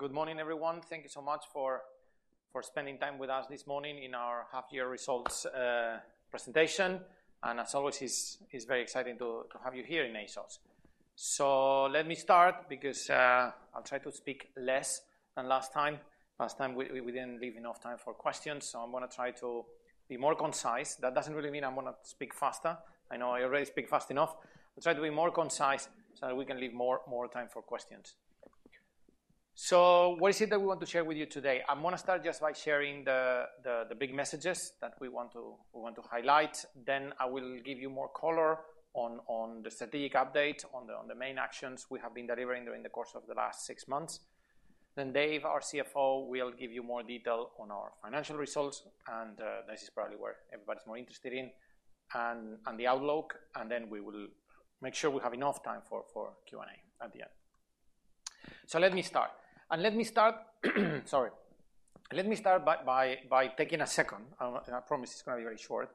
Good morning, everyone. Thank you so much for spending time with us this morning in our half-year results presentation. As always, it's very exciting to have you here in ASOS. Let me start because I'll try to speak less than last time. Last time, we didn't leave enough time for questions. I'm going to try to be more concise. That doesn't really mean I'm going to speak faster. I know I already speak fast enough. I'll try to be more concise so that we can leave more time for questions. What is it that we want to share with you today? I'm going to start just by sharing the big messages that we want to highlight. I will give you more color on the strategic updates, on the main actions we have been delivering during the course of the last six months. Dave, our CFO, will give you more detail on our financial results. This is probably where everybody's more interested in, and the outlook. We will make sure we have enough time for Q&A at the end. Let me start. Let me start, sorry. Let me start by taking a second. I promise it's going to be very short.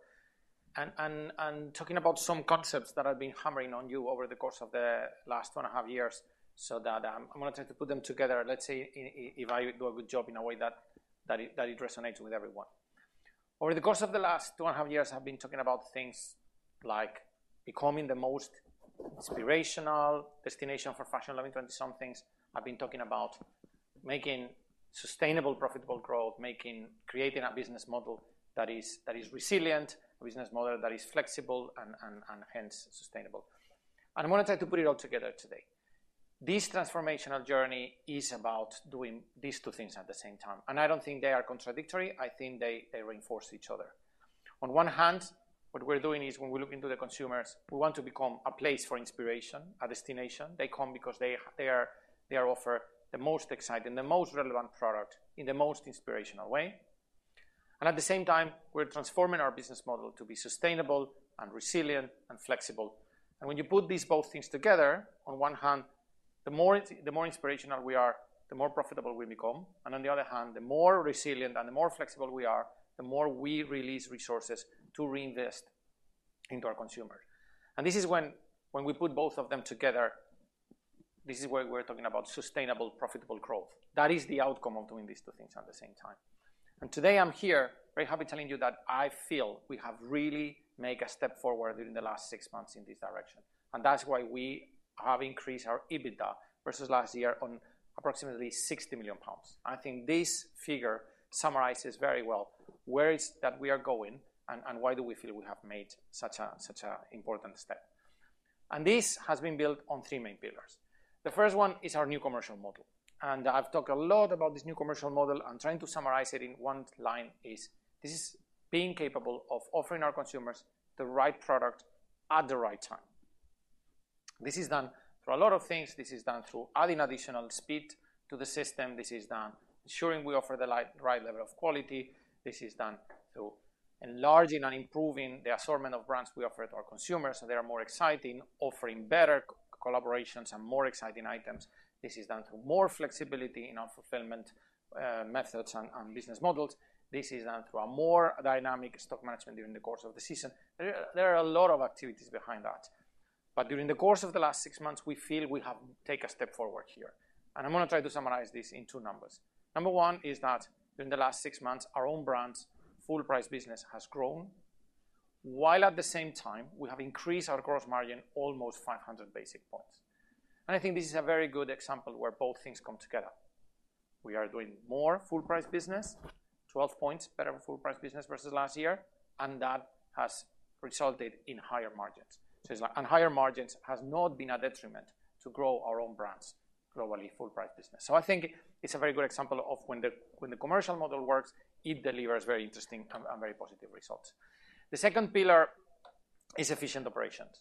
Talking about some concepts that I have been hammering on you over the course of the last two and a half years. I am going to try to put them together, let's say, do a good job in a way that it resonates with everyone. Over the course of the last two and a half years, I have been talking about things like becoming the most inspirational destination for fashion loving 20-somethings. I've been talking about making sustainable, profitable growth, creating a business model that is resilient, a business model that is flexible, and hence sustainable. I'm going to try to put it all together today. This transformational journey is about doing these two things at the same time. I don't think they are contradictory. I think they reinforce each other. On one hand, what we're doing is when we look into the consumers, we want to become a place for inspiration, a destination. They come because they are offered the most exciting, the most relevant product in the most inspirational way. At the same time, we're transforming our business model to be sustainable and resilient and flexible. When you put these both things together, on one hand, the more inspirational we are, the more profitable we become. On the other hand, the more resilient and the more flexible we are, the more we release resources to reinvest into our consumers. When we put both of them together, this is where we're talking about sustainable, profitable growth. That is the outcome of doing these two things at the same time. Today I'm here, very happy telling you that I feel we have really made a step forward during the last six months in this direction. That's why we have increased our EBITDA versus last year on approximately 60 million pounds. I think this figure summarizes very well where it is that we are going and why we feel we have made such an important step. This has been built on three main pillars. The first one is our new commercial model. I've talked a lot about this new commercial model. I'm trying to summarize it in one line is this is being capable of offering our consumers the right product at the right time. This is done through a lot of things. This is done through adding additional speed to the system. This is done ensuring we offer the right level of quality. This is done through enlarging and improving the assortment of brands we offer to our consumers so they are more exciting, offering better collaborations and more exciting items. This is done through more flexibility in our fulfillment methods and business models. This is done through a more dynamic stock management during the course of the season. There are a lot of activities behind that. During the course of the last six months, we feel we have taken a step forward here. I'm going to try to summarize this in two numbers. Number one is that during the last six months, our own brand's full-price business has grown, while at the same time, we have increased our gross margin almost 500 basis points. I think this is a very good example where both things come together. We are doing more full-price business, 12 points better full-price business versus last year. That has resulted in higher margins. Higher margins have not been a detriment to grow our own brand's globally full-price business. I think it's a very good example of when the commercial model works, it delivers very interesting and very positive results. The second pillar is efficient operations.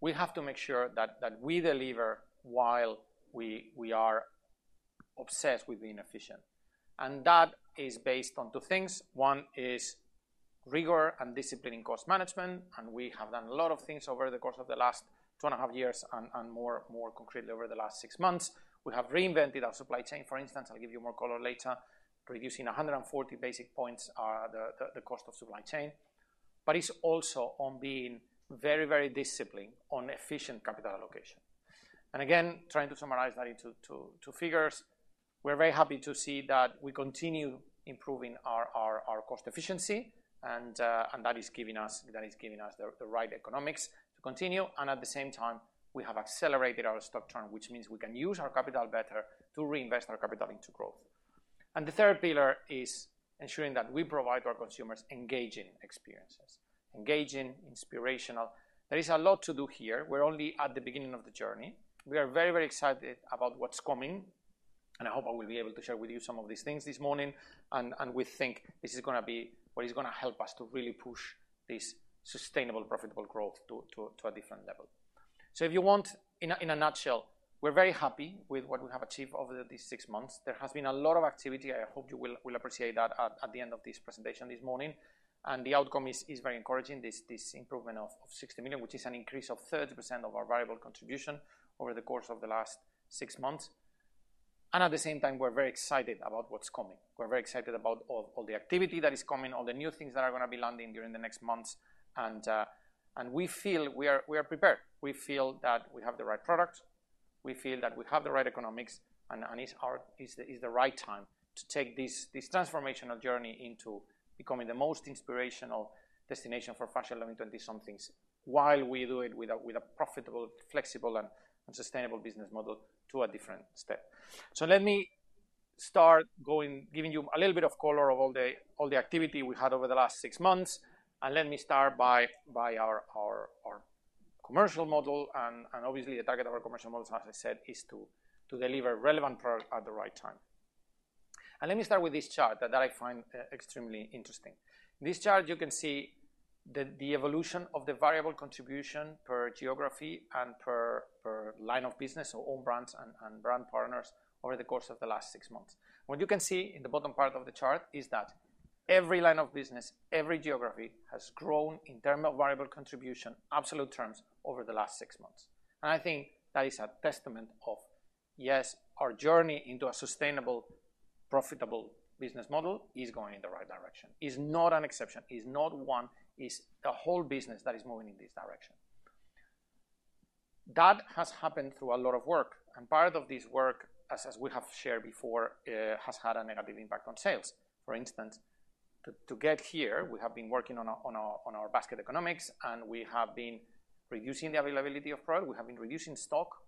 We have to make sure that we deliver while we are obsessed with being efficient. That is based on two things. One is rigor and discipline in cost management. We have done a lot of things over the course of the last two and a half years and more concretely over the last six months. We have reinvented our supply chain. For instance, I'll give you more color later, reducing 140 basis points the cost of supply chain. It is also on being very, very disciplined on efficient capital allocation. Again, trying to summarize that into figures, we're very happy to see that we continue improving our cost efficiency. That is giving us the right economics to continue. At the same time, we have accelerated our stock turn, which means we can use our capital better to reinvest our capital into growth. The third pillar is ensuring that we provide our consumers engaging experiences, engaging, inspirational. There is a lot to do here. We're only at the beginning of the journey. We are very, very excited about what's coming. I hope I will be able to share with you some of these things this morning. We think this is going to be what is going to help us to really push this sustainable, profitable growth to a different level. If you want, in a nutshell, we're very happy with what we have achieved over these six months. There has been a lot of activity. I hope you will appreciate that at the end of this presentation this morning. The outcome is very encouraging, this improvement of 60 million, which is an increase of 30% of our variable contribution over the course of the last six months. At the same time, we're very excited about what's coming. We're very excited about all the activity that is coming, all the new things that are going to be landing during the next months. We feel we are prepared. We feel that we have the right products. We feel that we have the right economics. It's the right time to take this transformational journey into becoming the most inspirational destination for fashion loving 20-somethings while we do it with a profitable, flexible, and sustainable business model to a different step. Let me start giving you a little bit of color of all the activity we had over the last six months. Let me start by our commercial model. Obviously, the target of our commercial model, as I said, is to deliver relevant product at the right time. Let me start with this chart that I find extremely interesting. In this chart, you can see the evolution of the variable contribution per geography and per line of business, so own brands and brand partners over the course of the last six months. What you can see in the bottom part of the chart is that every line of business, every geography has grown in terms of variable contribution, absolute terms, over the last six months. I think that is a testament of, yes, our journey into a sustainable, profitable business model is going in the right direction. It's not an exception. It's not one. It's the whole business that is moving in this direction. That has happened through a lot of work. Part of this work, as we have shared before, has had a negative impact on sales. For instance, to get here, we have been working on our basket economics. We have been reducing the availability of product. We have been reducing stock.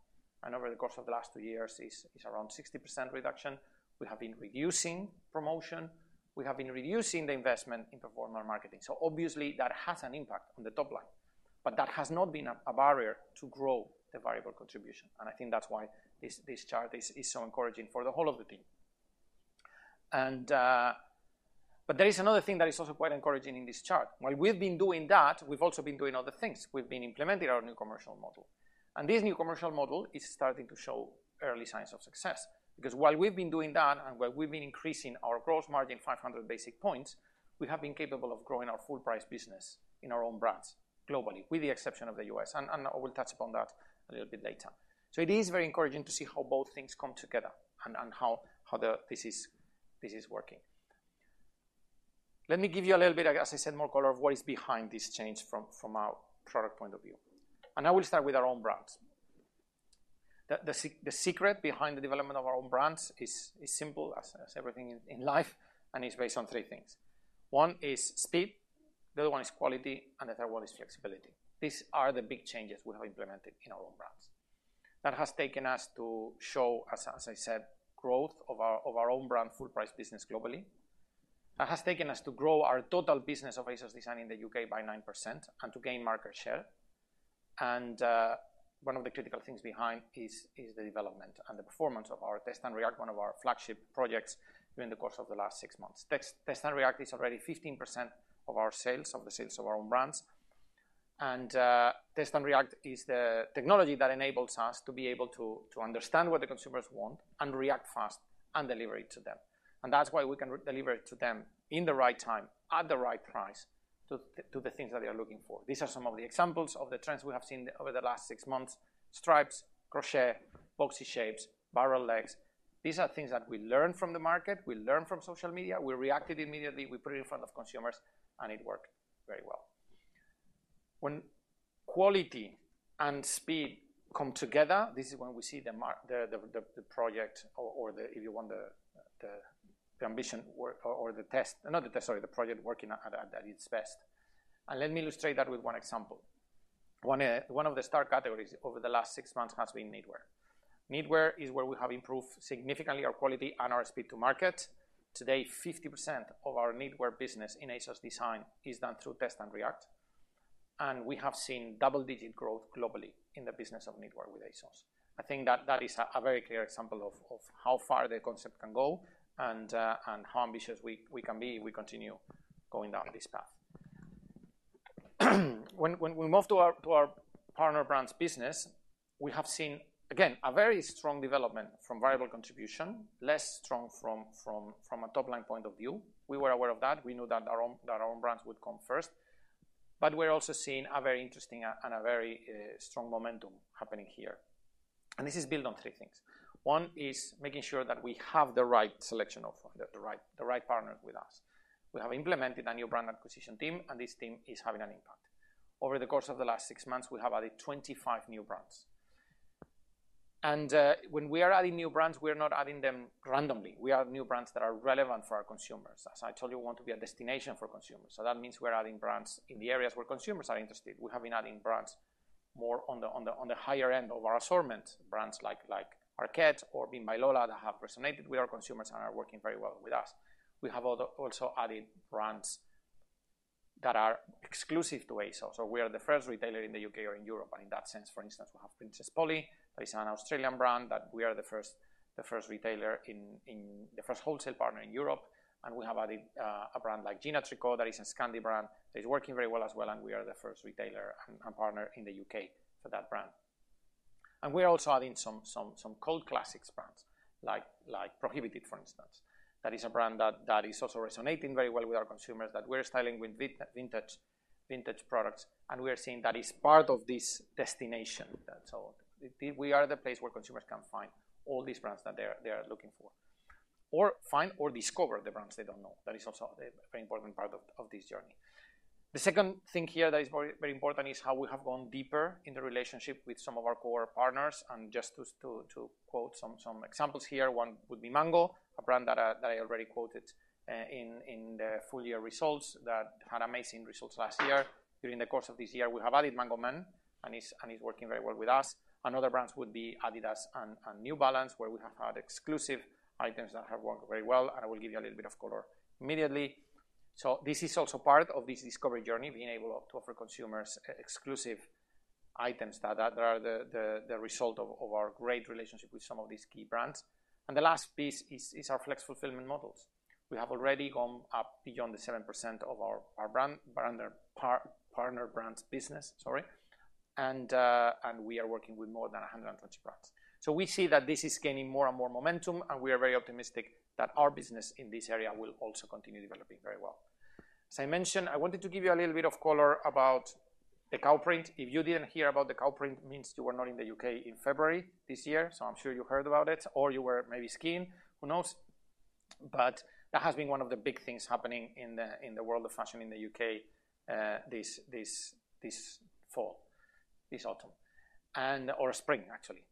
Over the course of the last two years, it's around 60% reduction. We have been reducing promotion. We have been reducing the investment in performance marketing. Obviously, that has an impact on the top line. That has not been a barrier to grow the variable contribution. I think that's why this chart is so encouraging for the whole of the team. There is another thing that is also quite encouraging in this chart. While we've been doing that, we've also been doing other things. We've been implementing our new commercial model. This new commercial model is starting to show early signs of success. Because while we've been doing that and while we've been increasing our gross margin 500 basis points, we have been capable of growing our full-price business in our own brands globally, with the exception of the U.S. I will touch upon that a little bit later. It is very encouraging to see how both things come together and how this is working. Let me give you a little bit, as I said, more color of what is behind this change from our product point of view. I will start with our own brands. The secret behind the development of our own brands is simple as everything in life. It is based on three things. One is speed. The other one is quality. The third one is flexibility. These are the big changes we have implemented in our own brands. That has taken us to show, as I said, growth of our own brand full-price business globally. That has taken us to grow our total business of ASOS Design in the U.K. by 9% and to gain market share. One of the critical things behind is the development and the performance of our Test and React, one of our flagship projects during the course of the last six months. Test and React is already 15% of our sales, of the sales of our own brands. Test and React is the technology that enables us to be able to understand what the consumers want and react fast and deliver it to them. That is why we can deliver it to them in the right time, at the right price to the things that they are looking for. These are some of the examples of the trends we have seen over the last six months: stripes, crochet, boxy shapes, barrel legs. These are things that we learned from the market. We learned from social media. We reacted immediately. We put it in front of consumers. It worked very well. When quality and speed come together, this is when we see the project, or if you want the ambition, or the test, not the test, sorry, the project working at its best. Let me illustrate that with one example. One of the star categories over the last six months has been knitwear. Knitwear is where we have improved significantly our quality and our speed to market. Today, 50% of our knitwear business in ASOS Design is done through Test and React. We have seen double-digit growth globally in the business of knitwear with ASOS. I think that is a very clear example of how far the concept can go and how ambitious we can be if we continue going down this path. When we move to our partner brands business, we have seen, again, a very strong development from variable contribution, less strong from a top-line point of view. We were aware of that. We knew that our own brands would come first. We are also seeing a very interesting and a very strong momentum happening here. This is built on three things. One is making sure that we have the right selection of the right partners with us. We have implemented a new brand acquisition team. This team is having an impact. Over the course of the last six months, we have added 25 new brands. When we are adding new brands, we are not adding them randomly. We add new brands that are relevant for our consumers. As I told you, we want to be a destination for consumers. That means we're adding brands in the areas where consumers are interested. We have been adding brands more on the higher end of our assortment, brands like Arket or Bimba Y Lola that have resonated with our consumers and are working very well with us. We have also added brands that are exclusive to ASOS. We are the first retailer in the U.K. or in Europe. In that sense, for instance, we have Princess Polly. That is an Australian brand that we are the first retailer, the first wholesale partner in Europe. We have added a brand like Gina Tricot that is a Scandi brand that is working very well as well. We are the first retailer and partner in the U.K. for that brand. We are also adding some cult classics brands like Prohibited, for instance. That is a brand that is also resonating very well with our consumers that we are styling with vintage products. We are seeing that is part of this destination. We are the place where consumers can find all these brands that they are looking for or find or discover the brands they do not know. That is also a very important part of this journey. The second thing here that is very important is how we have gone deeper in the relationship with some of our core partners. Just to quote some examples here, one would be Mango, a brand that I already quoted in the full-year results that had amazing results last year. During the course of this year, we have added Mango Man, and it's working very well with us. Another brand would be Adidas and New Balance, where we have had exclusive items that have worked very well. I will give you a little bit of color immediately. This is also part of this discovery journey, being able to offer consumers exclusive items that are the result of our great relationship with some of these key brands. The last piece is our flex fulfillment models. We have already gone up beyond the 7% of our partner brands business, sorry. We are working with more than 120 brands. We see that this is gaining more and more momentum. We are very optimistic that our business in this area will also continue developing very well. As I mentioned, I wanted to give you a little bit of color about the cow print. If you did not hear about the cow print, it means you were not in the U.K. in February this year. I am sure you heard about it, or you were maybe skiing. Who knows? That has been one of the big things happening in the world of fashion in the U.K. this fall, this autumn, or spring, actually.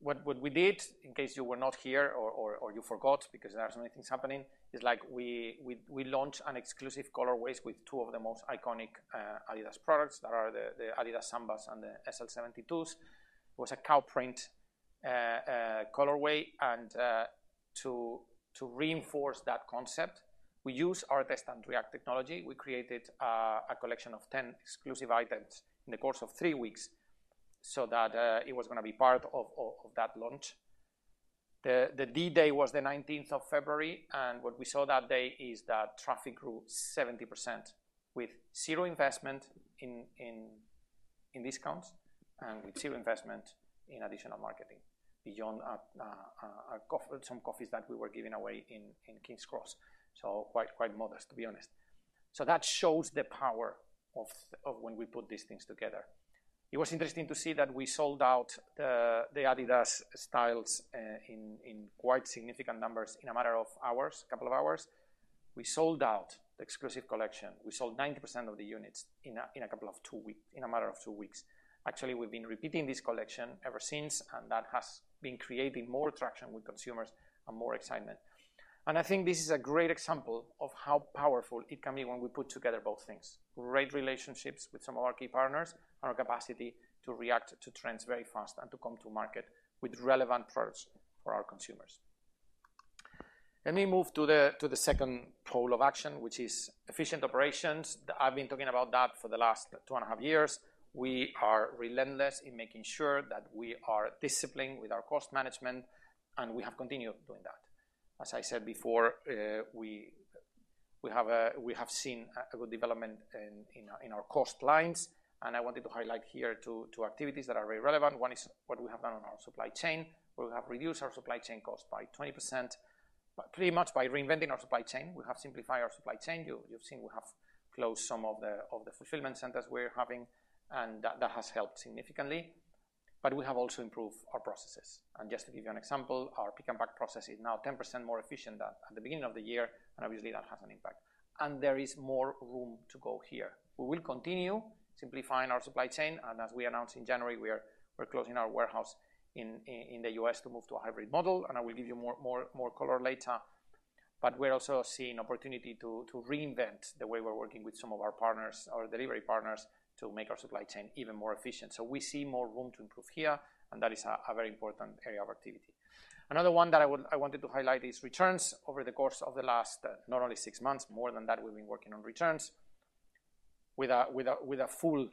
What we did, in case you were not here or you forgot because there are so many things happening, is we launched exclusive colorways with two of the most iconic Adidas products that are the Adidas Sambas and the SL72s. It was a cow print colorway. To reinforce that concept, we used our Test and React technology. We created a collection of 10 exclusive items in the course of three weeks so that it was going to be part of that launch. The D-day was the 19th of February. What we saw that day is that traffic grew 70% with zero investment in discounts and with zero investment in additional marketing beyond some coffees that we were giving away in King's Cross. Quite modest, to be honest. That shows the power of when we put these things together. It was interesting to see that we sold out the Adidas styles in quite significant numbers in a matter of hours, a couple of hours. We sold out the exclusive collection. We sold 90% of the units in a matter of two weeks. Actually, we've been repeating this collection ever since. That has been creating more traction with consumers and more excitement. I think this is a great example of how powerful it can be when we put together both things: great relationships with some of our key partners and our capacity to react to trends very fast and to come to market with relevant products for our consumers. Let me move to the second pole of action, which is efficient operations. I have been talking about that for the last two and a half years. We are relentless in making sure that we are disciplined with our cost management. We have continued doing that. As I said before, we have seen a good development in our cost lines. I wanted to highlight here two activities that are very relevant. One is what we have done on our supply chain, where we have reduced our supply chain cost by 20%, pretty much by reinventing our supply chain. We have simplified our supply chain. You have seen we have closed some of the fulfillment centers we are having. That has helped significantly. We have also improved our processes. Just to give you an example, our pick-and-pack process is now 10% more efficient than at the beginning of the year. Obviously, that has an impact. There is more room to go here. We will continue simplifying our supply chain. As we announced in January, we are closing our warehouse in the U.S. to move to a hybrid model. I will give you more color later. We are also seeing opportunity to reinvent the way we are working with some of our partners, our delivery partners, to make our supply chain even more efficient. We see more room to improve here. That is a very important area of activity. Another one that I wanted to highlight is returns over the course of the last not only six months. More than that, we've been working on returns with a full,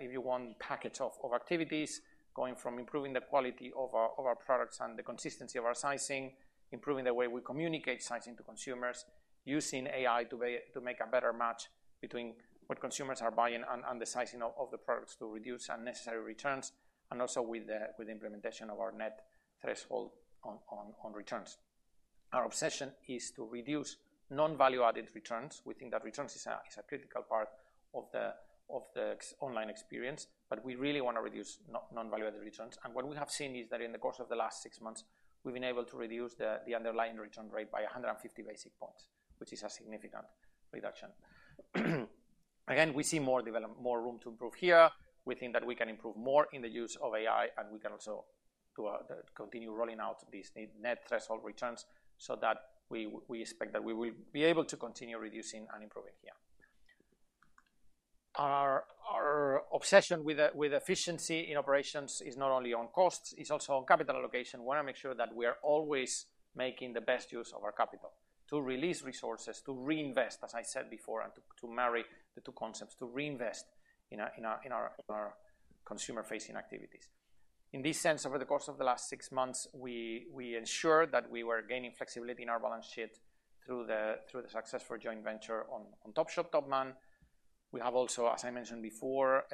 if you want, package of activities going from improving the quality of our products and the consistency of our sizing, improving the way we communicate sizing to consumers, using AI to make a better match between what consumers are buying and the sizing of the products to reduce unnecessary returns, and also with the implementation of our net threshold on returns. Our obsession is to reduce non-value-added returns. We think that returns is a critical part of the online experience. We really want to reduce non-value-added returns. What we have seen is that in the course of the last six months, we have been able to reduce the underlying return rate by 150 basis points, which is a significant reduction. Again, we see more room to improve here. We think that we can improve more in the use of AI. We can also continue rolling out these net threshold returns so that we expect that we will be able to continue reducing and improving here. Our obsession with efficiency in operations is not only on costs. It is also on capital allocation. We want to make sure that we are always making the best use of our capital to release resources, to reinvest, as I said before, and to marry the two concepts, to reinvest in our consumer-facing activities. In this sense, over the course of the last six months, we ensured that we were gaining flexibility in our balance sheet through the successful joint venture on Topshop, Topman. We have also, as I mentioned before,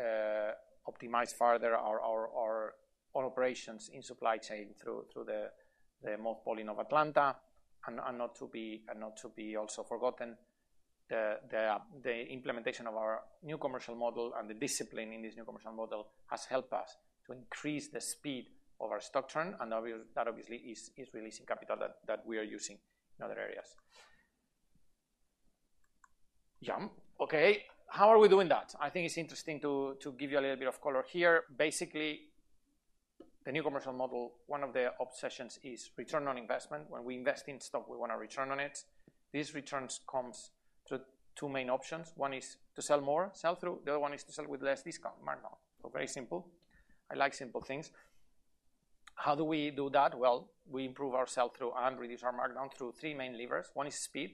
optimized further our operations in supply chain through the mothballing of Atlanta. Not to be also forgotten, the implementation of our new commercial model and the discipline in this new commercial model has helped us to increase the speed of our stock turn. That obviously is releasing capital that we are using in other areas. Yeah. Okay. How are we doing that? I think it's interesting to give you a little bit of color here. Basically, the new commercial model, one of the obsessions is return on investment. When we invest in stock, we want a return on it. These returns come through two main options. One is to sell more, sell through. The other one is to sell with less discount, markdown. Very simple. I like simple things. How do we do that? We improve our sell-through and reduce our markdown through three main levers. One is speed.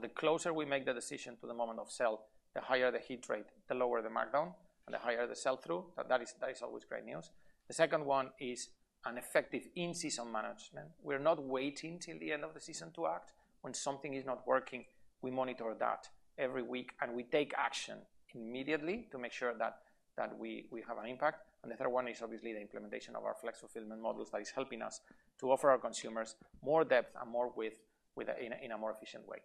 The closer we make the decision to the moment of sell, the higher the hit rate, the lower the markdown, and the higher the sell-through. That is always great news. The second one is an effective in-season management. We are not waiting till the end of the season to act. When something is not working, we monitor that every week. We take action immediately to make sure that we have an impact. The third one is obviously the implementation of our flex fulfillment models that is helping us to offer our consumers more depth and more width in a more efficient way.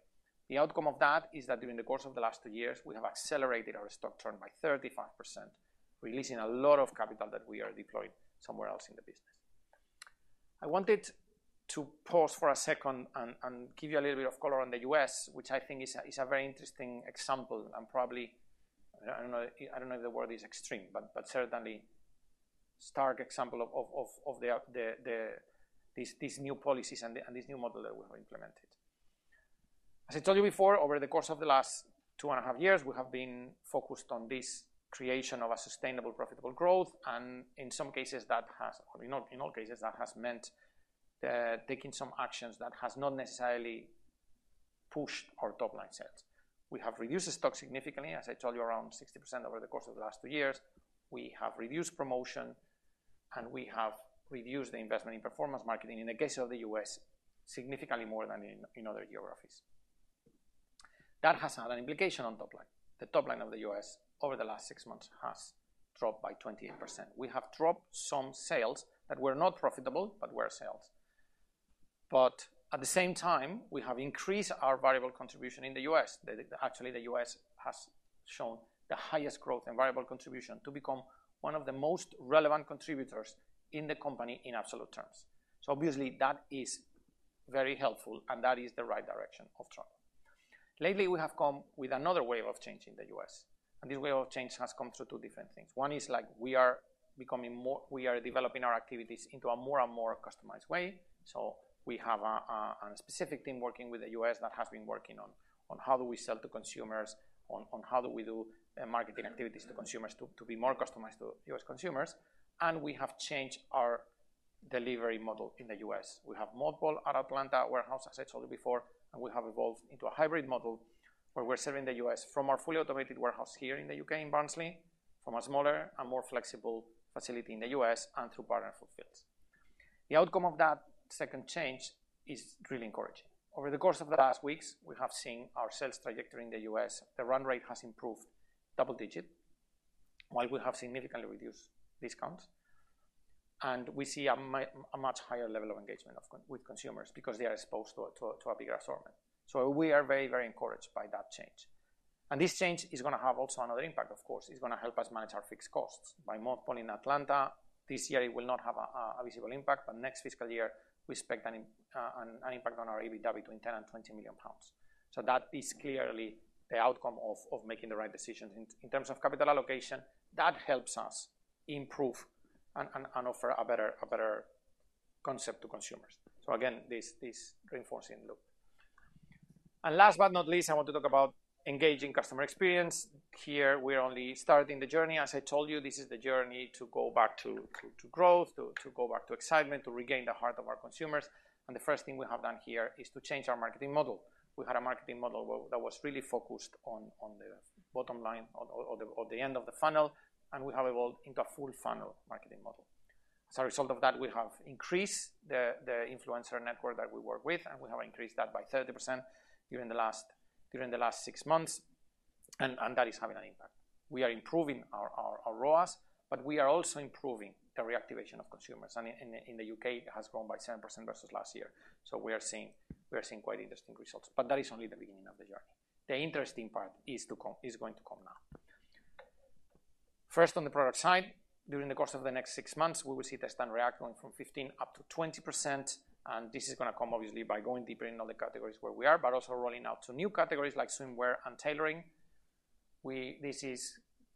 The outcome of that is that during the course of the last two years, we have accelerated our stock turn by 35%, releasing a lot of capital that we are deploying somewhere else in the business. I wanted to pause for a second and give you a little bit of color on the U.S., which I think is a very interesting example. Probably, I do not know if the word is extreme, but certainly a stark example of these new policies and this new model that we have implemented. As I told you before, over the course of the last two and a half years, we have been focused on this creation of a sustainable, profitable growth. In some cases, that has—in all cases, that has meant taking some actions that have not necessarily pushed our top-line sales. We have reduced stock significantly, as I told you, around 60% over the course of the last two years. We have reduced promotion. We have reduced the investment in performance marketing, in the case of the U.S., significantly more than in other geographies. That has had an implication on top line. The top line of the U.S. over the last six months has dropped by 28%. We have dropped some sales that were not profitable, but were sales. At the same time, we have increased our variable contribution in the U.S. Actually, the U.S. has shown the highest growth in variable contribution to become one of the most relevant contributors in the company in absolute terms. Obviously, that is very helpful. That is the right direction of trend. Lately, we have come with another wave of change in the U.S. This wave of change has come through two different things. One is we are developing our activities into a more and more customized way. We have a specific team working with the U.S. that has been working on how do we sell to consumers, on how do we do marketing activities to consumers to be more customized to U.S. consumers. We have changed our delivery model in the U.S. We have mothballed our Atlanta warehouse, as I told you before. We have evolved into a hybrid model where we're serving the U.S. from our fully automated warehouse here in the U.K. in Barnsley, from a smaller and more flexible facility in the U.S. and through partner fulfillments. The outcome of that second change is really encouraging. Over the course of the last weeks, we have seen our sales trajectory in the US, the run rate has improved double-digit, while we have significantly reduced discounts. We see a much higher level of engagement with consumers because they are exposed to a bigger assortment. We are very, very encouraged by that change. This change is going to have also another impact, of course. It is going to help us manage our fixed costs. By mothballing Atlanta, this year, it will not have a visible impact. Next fiscal year, we expect an impact on our EBITDA between 10 million and 20 million pounds. That is clearly the outcome of making the right decisions. In terms of capital allocation, that helps us improve and offer a better concept to consumers. Again, this reinforcing loop. Last but not least, I want to talk about engaging customer experience. Here, we're only starting the journey. As I told you, this is the journey to go back to growth, to go back to excitement, to regain the heart of our consumers. The first thing we have done here is to change our marketing model. We had a marketing model that was really focused on the bottom line or the end of the funnel. We have evolved into a full funnel marketing model. As a result of that, we have increased the influencer network that we work with. We have increased that by 30% during the last six months. That is having an impact. We are improving our ROAS, but we are also improving the reactivation of consumers. In the U.K., it has grown by 7% versus last year. We are seeing quite interesting results. That is only the beginning of the journey. The interesting part is going to come now. First, on the product side, during the course of the next six months, we will see Test and React going from 15%-20%. This is going to come, obviously, by going deeper in all the categories where we are, but also rolling out to new categories like swimwear and tailoring. This is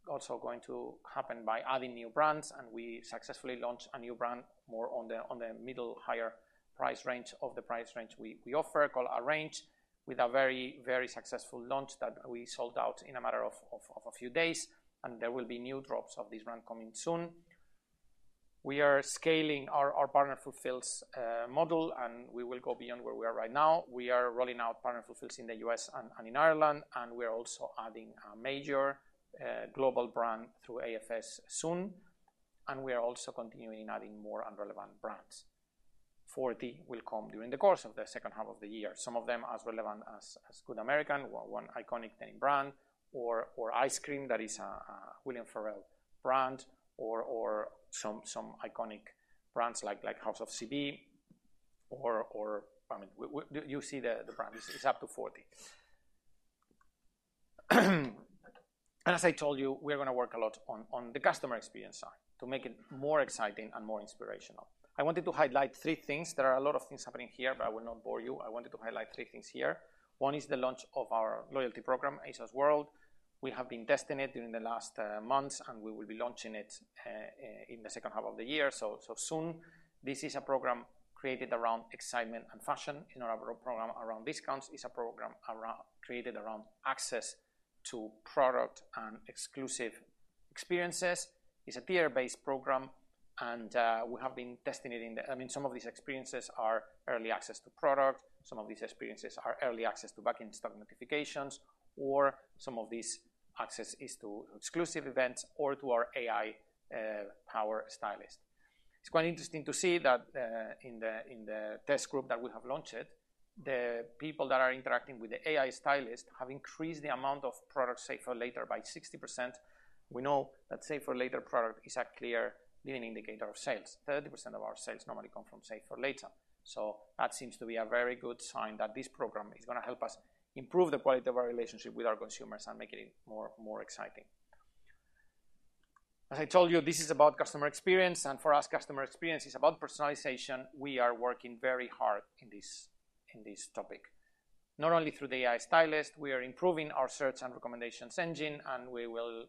also going to happen by adding new brands. We successfully launched a new brand more on the middle higher price range of the price range we offer, called Arrange, with a very, very successful launch that we sold out in a matter of a few days. There will be new drops of this brand coming soon. We are scaling our Partner Fulfils model. We will go beyond where we are right now. We are rolling out Partner Fulfils in the U.S. and in Ireland. We are also adding a major global brand through AFS soon. We are also continuing adding more unrelevant brands. Forty will come during the course of the second half of the year, some of them as relevant as Good American, one iconic name brand, or Icecream that is a Pharrell Williams brand, or some iconic brands like House of CB, or I mean, you see the brand. It's up to 40. As I told you, we are going to work a lot on the customer experience side to make it more exciting and more inspirational. I wanted to highlight three things. There are a lot of things happening here, but I will not bore you. I wanted to highlight three things here. One is the launch of our loyalty program, ASOS.World. We have been testing it during the last months. We will be launching it in the second half of the year, so soon. This is a program created around excitement and fashion. In our program around discounts, it is a program created around access to product and exclusive experiences. It is a tier-based program. I mean, some of these experiences are early access to product. Some of these experiences are early access to back-end stock notifications. Some of this access is to exclusive events or to our AI Stylist. It is quite interesting to see that in the test group that we have launched, the people that are interacting with the AI Stylist have increased the amount of product Save for Later by 60%. We know that Save for Later product is a clear leading indicator of sales. 30% of our sales normally come from Save for Later. That seems to be a very good sign that this program is going to help us improve the quality of our relationship with our consumers and make it more exciting. As I told you, this is about customer experience. For us, customer experience is about personalization. We are working very hard in this topic, not only through the AI Stylist. We are improving our search and recommendations engine.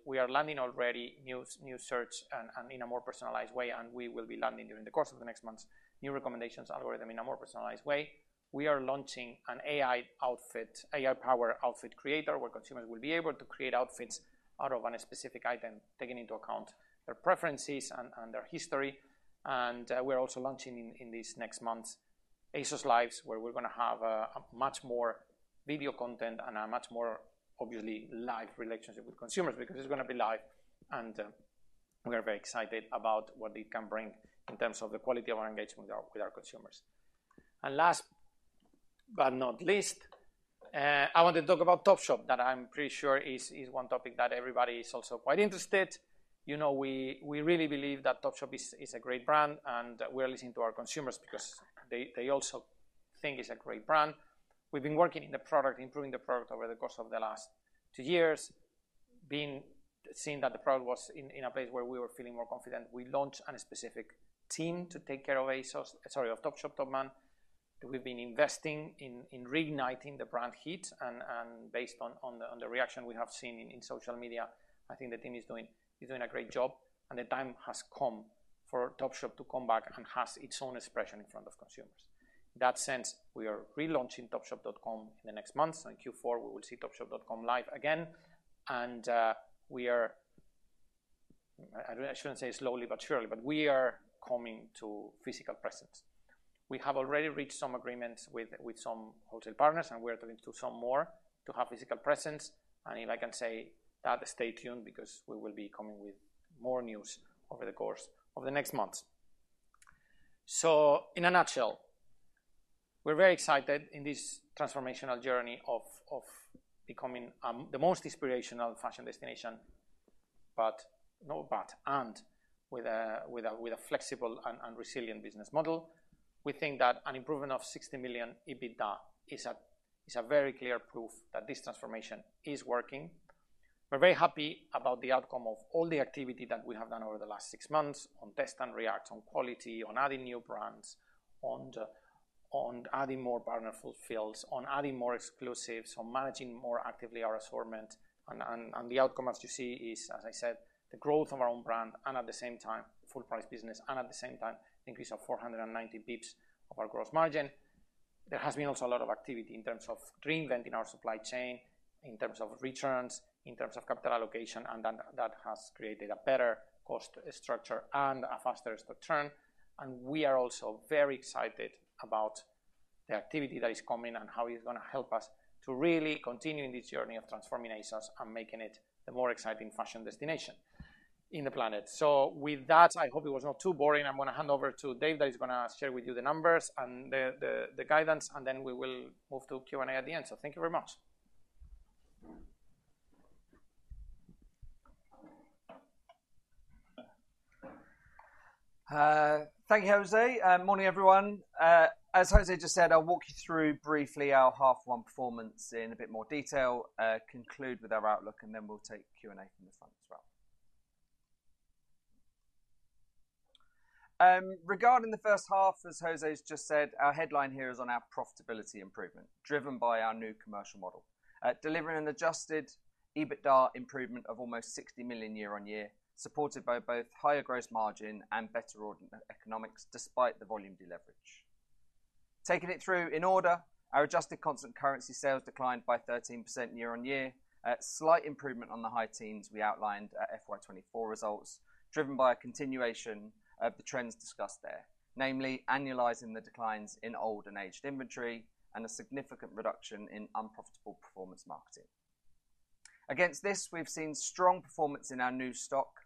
We are landing already new search in a more personalized way. We will be landing during the course of the next months new recommendations algorithm in a more personalized way. We are launching an AI-powered outfit creator where consumers will be able to create outfits out of a specific item, taking into account their preferences and their history. We are also launching in these next months ASOS Live, where we are going to have much more video content and a much more, obviously, live relationship with consumers because it is going to be live. We are very excited about what it can bring in terms of the quality of our engagement with our consumers. Last but not least, I want to talk about Topshop, that I am pretty sure is one topic that everybody is also quite interested. We really believe that Topshop is a great brand. We are listening to our consumers because they also think it is a great brand. We've been working in the product, improving the product over the course of the last two years, seeing that the product was in a place where we were feeling more confident. We launched a specific team to take care of ASOS, sorry, of Topshop, Topman. We've been investing in reigniting the brand heat. Based on the reaction we have seen in social media, I think the team is doing a great job. The time has come for Topshop to come back and have its own expression in front of consumers. In that sense, we are relaunching topshop.com in the next months. In Q4, we will see topshop.com live again. I shouldn't say slowly, but surely, but we are coming to physical presence. We have already reached some agreements with some wholesale partners. We are talking to some more to have physical presence. If I can say that, stay tuned because we will be coming with more news over the course of the next months. In a nutshell, we're very excited in this transformational journey of becoming the most inspirational fashion destination, and with a flexible and resilient business model. We think that an improvement of 60 million EBITDA is a very clear proof that this transformation is working. We're very happy about the outcome of all the activity that we have done over the last six months on Test and React, on quality, on adding new brands, on adding more Partner Fulfils, on adding more exclusives, on managing more actively our assortment. The outcome, as you see, is, as I said, the growth of our own brand and at the same time, full price business, and at the same time, increase of 490 basis points of our gross margin. There has been also a lot of activity in terms of reinventing our supply chain, in terms of returns, in terms of capital allocation. That has created a better cost structure and a faster stock turn. We are also very excited about the activity that is coming and how it is going to help us to really continue in this journey of transforming ASOS and making it the more exciting fashion destination in the planet. I hope it was not too boring. I am going to hand over to Dave that is going to share with you the numbers and the guidance. We will move to Q&A at the end. Thank you very much. Thank you, José. Morning, everyone. As José just said, I'll walk you through briefly our half-one performance in a bit more detail, conclude with our outlook, and then we'll take Q&A from the front as well. Regarding the first half, as José has just said, our headline here is on our profitability improvement driven by our new commercial model, delivering an adjusted EBITDA improvement of almost 60 million year-on-year, supported by both higher gross margin and better ordinary economics despite the volume deleverage. Taking it through in order, our adjusted constant currency sales declined by 13% year-on-year, a slight improvement on the high teens we outlined at FY2024 results, driven by a continuation of the trends discussed there, namely annualizing the declines in old and aged inventory and a significant reduction in unprofitable performance marketing. Against this, we've seen strong performance in our new stock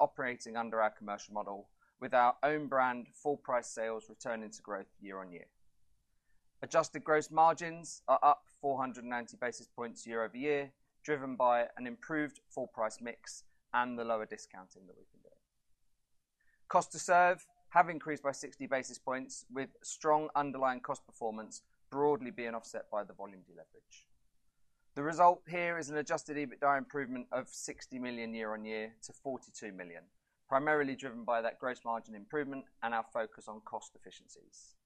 operating under our commercial model with our own brand full price sales returning to growth year-on-year. Adjusted gross margins are up 490 basis points year-over-year, driven by an improved full price mix and the lower discounting that we've been doing. Cost to serve have increased by 60 basis points, with strong underlying cost performance broadly being offset by the volume deleverage. The result here is an adjusted EBITDA improvement of 60 million year-on-year to 42 million, primarily driven by that gross margin improvement and our focus on cost efficiencies.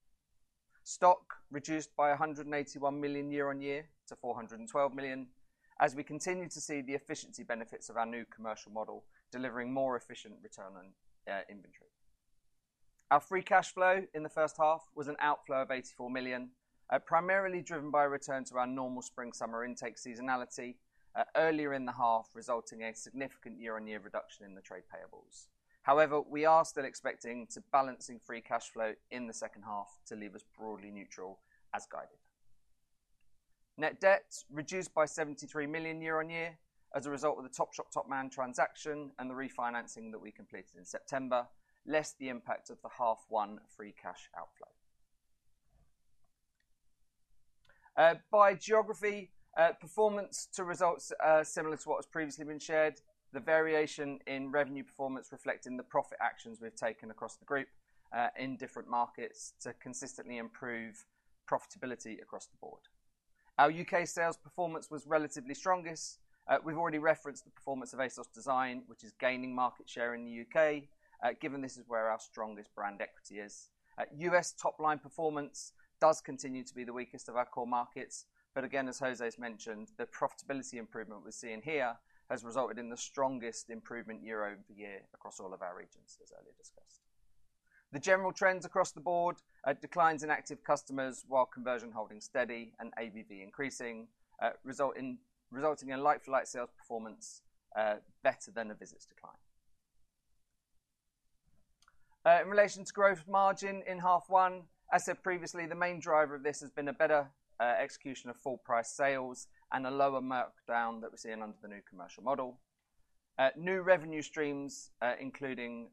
Stock reduced by 181 million year-on-year to 412 million as we continue to see the efficiency benefits of our new commercial model delivering more efficient return on inventory. Our free cash flow in the first half was an outflow of 84 million, primarily driven by return to our normal spring-summer intake seasonality earlier in the half, resulting in a significant year-on-year reduction in the trade payables. However, we are still expecting to balance in free cash flow in the second half to leave us broadly neutral as guided. Net debt reduced by 73 million year-on-year as a result of the Topshop Topman transaction and the refinancing that we completed in September, less the impact of the half-one free cash outflow. By geography, performance to results similar to what has previously been shared, the variation in revenue performance reflecting the profit actions we've taken across the group in different markets to consistently improve profitability across the board. Our U.K. sales performance was relatively strongest. We've already referenced the performance of ASOS Design, which is gaining market share in the U.K., given this is where our strongest brand equity is. U.S. top-line performance does continue to be the weakest of our core markets. As José has mentioned, the profitability improvement we're seeing here has resulted in the strongest improvement year-over-year across all of our regions, as earlier discussed. The general trends across the board are declines in active customers while conversion holding steady and ABV increasing, resulting in like-for-like sales performance better than a visits decline. In relation to gross margin in half one, as said previously, the main driver of this has been a better execution of full-price sales and a lower markdown that we're seeing under the new commercial model. New revenue streams, including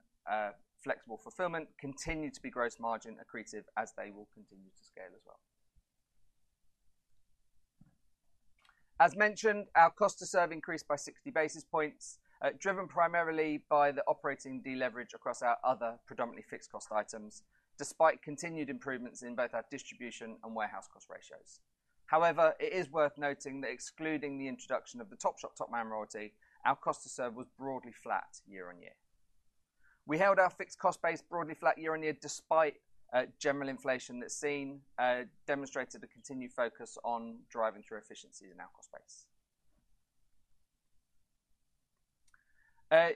flexible fulfillment, continue to be gross margin accretive as they will continue to scale as well. As mentioned, our cost to serve increased by 60 basis points, driven primarily by the operating deleverage across our other predominantly fixed cost items, despite continued improvements in both our distribution and warehouse cost ratios. However, it is worth noting that excluding the introduction of the Topshop Topman royalty, our cost to serve was broadly flat year-on-year. We held our fixed cost base broadly flat year-on-year despite general inflation that is seen, demonstrated a continued focus on driving through efficiencies in our cost base.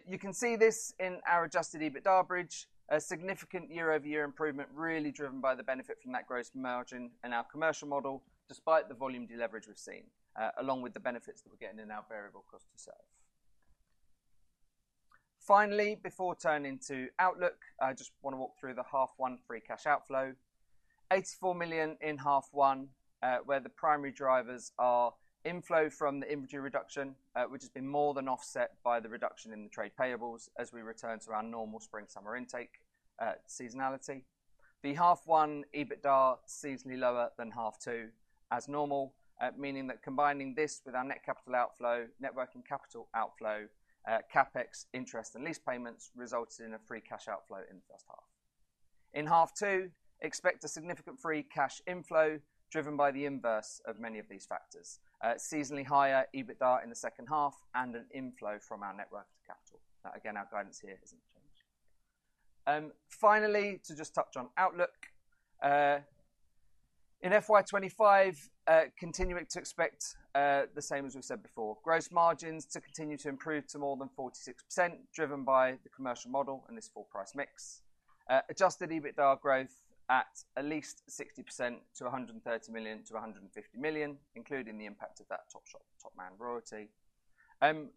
You can see this in our adjusted EBITDA bridge, a significant year-over-year improvement really driven by the benefit from that gross margin in our commercial model, despite the volume deleverage we have seen, along with the benefits that we are getting in our variable cost to serve. Finally, before turning to outlook, I just want to walk through the half-one free cash outflow. 84 million in half-one, where the primary drivers are inflow from the inventory reduction, which has been more than offset by the reduction in the trade payables as we return to our normal spring-summer intake seasonality. The half-one EBITDA is seasonally lower than half-two as normal, meaning that combining this with our net capital outflow, net working capital outflow, CapEx, interest, and lease payments resulted in a free cash outflow in the first half. In half-two, expect a significant free cash inflow driven by the inverse of many of these factors, seasonally higher EBITDA in the second half and an inflow from our net working capital. Again, our guidance here has not changed. Finally, to just touch on outlook, in FY2025, continuing to expect the same as we have said before, gross margins to continue to improve to more than 46%, driven by the commercial model and this full-price mix. Adjusted EBITDA growth at at least 60% to 130 million-150 million, including the impact of that Topshop Topman royalty.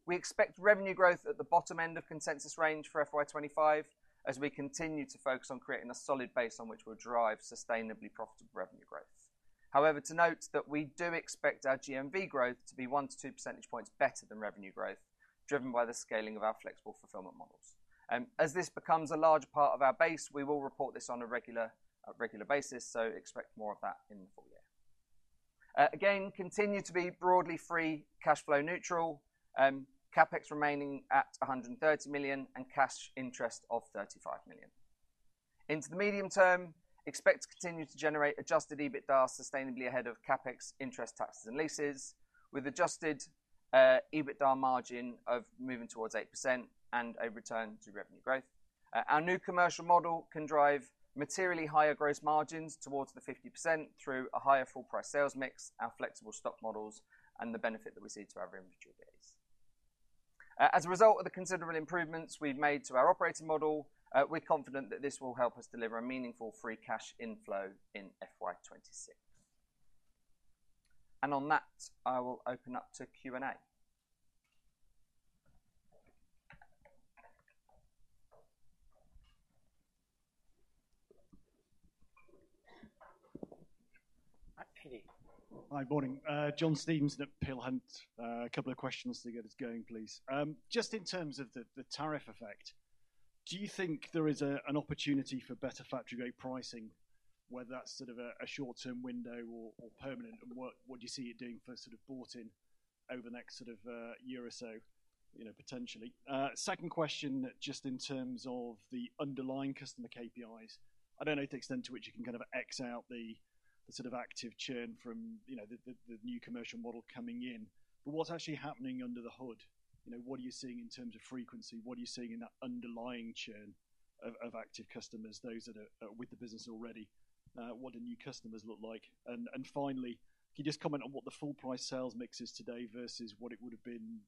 We expect revenue growth at the bottom end of consensus range for FY2025 as we continue to focus on creating a solid base on which we'll drive sustainably profitable revenue growth. However, to note that we do expect our GMV growth to be one to two percentage points better than revenue growth, driven by the scaling of our flexible fulfillment models. As this becomes a larger part of our base, we will report this on a regular basis. Expect more of that in the full year. Again, continue to be broadly free cash flow neutral, CapEx remaining at 130 million and cash interest of 35 million. Into the medium term, expect to continue to generate adjusted EBITDA sustainably ahead of CapEx, interest, taxes, and leases, with adjusted EBITDA margin of moving towards 8% and a return to revenue growth. Our new commercial model can drive materially higher gross margins towards the 50% through a higher full price sales mix, our flexible stock models, and the benefit that we see to our inventory base. As a result of the considerable improvements we've made to our operating model, we're confident that this will help us deliver a meaningful free cash inflow in FY2026. On that, I will open up to Q&A. Hi, morning. John Stevenson at Peel Hunt, a couple of questions to get us going, please. Just in terms of the tariff effect, do you think there is an opportunity for better factory-grade pricing, whether that's sort of a short-term window or permanent? What do you see it doing for sort of bought-in over the next sort of year or so, potentially? Second question, just in terms of the underlying customer KPIs, I don't know to the extent to which you can kind of X out the sort of active churn from the new commercial model coming in. What is actually happening under the hood? What are you seeing in terms of frequency? What are you seeing in that underlying churn of active customers, those that are with the business already? What do new customers look like? Finally, can you just comment on what the full price sales mix is today versus what it would have been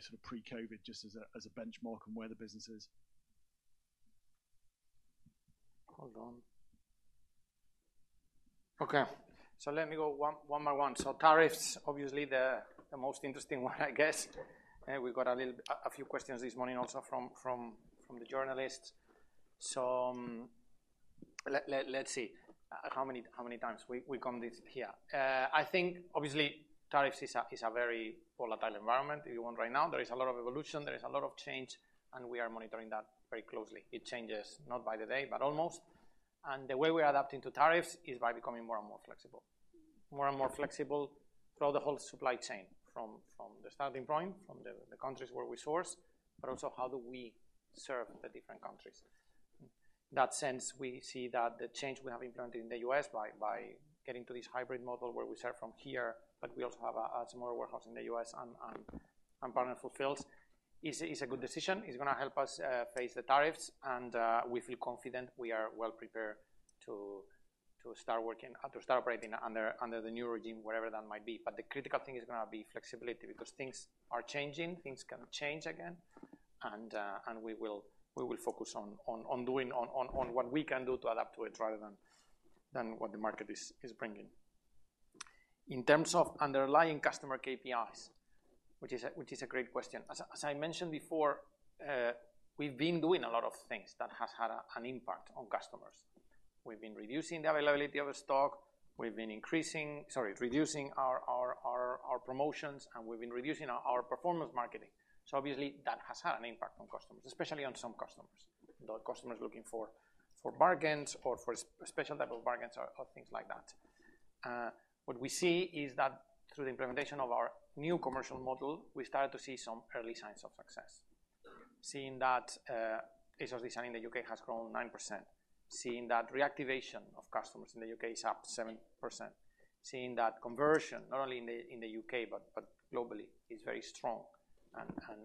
sort of pre-COVID just as a benchmark on where the business is? Hold on. Okay. Let me go one more one. Tariffs, obviously the most interesting one, I guess. We got a few questions this morning also from the journalists. Let's see how many times we come this here. I think, obviously, tariffs is a very volatile environment. If you want right now, there is a lot of evolution. There is a lot of change. We are monitoring that very closely. It changes not by the day, but almost. The way we're adapting to tariffs is by becoming more and more flexible, more and more flexible throughout the whole supply chain from the starting point, from the countries where we source, but also how do we serve the different countries. In that sense, we see that the change we have implemented in the US by getting to this hybrid model where we serve from here, but we also have a smaller warehouse in the U.S. and Partner Fulfils is a good decision. It's going to help us face the tariffs. We feel confident we are well prepared to start working, to start operating under the new regime, whatever that might be. The critical thing is going to be flexibility because things are changing. Things can change again. We will focus on doing what we can do to adapt to it rather than what the market is bringing. In terms of underlying customer KPIs, which is a great question, as I mentioned before, we've been doing a lot of things that have had an impact on customers. We've been reducing the availability of the stock. We've been increasing, sorry, reducing our promotions. We've been reducing our performance marketing. Obviously, that has had an impact on customers, especially on some customers, those customers looking for bargains or for special type of bargains or things like that. What we see is that through the implementation of our new commercial model, we started to see some early signs of success, seeing that ASOS Design in the U.K. has grown 9%, seeing that reactivation of customers in the U.K. is up 7%, seeing that conversion, not only in the U.K., but globally, is very strong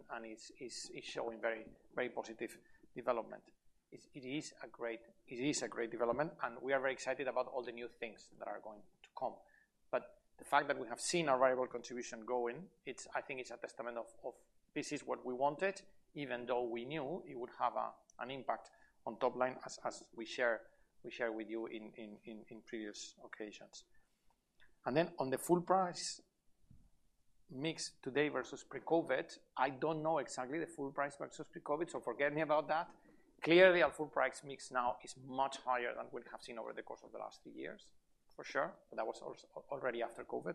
and is showing very positive development. It is a great development. We are very excited about all the new things that are going to come. The fact that we have seen our variable contribution going, I think it's a testament of this is what we wanted, even though we knew it would have an impact on top line, as we share with you in previous occasions. On the full price mix today versus pre-COVID, I do not know exactly the full price versus pre-COVID, so forget me about that. Clearly, our full price mix now is much higher than we have seen over the course of the last three years, for sure. That was already after COVID.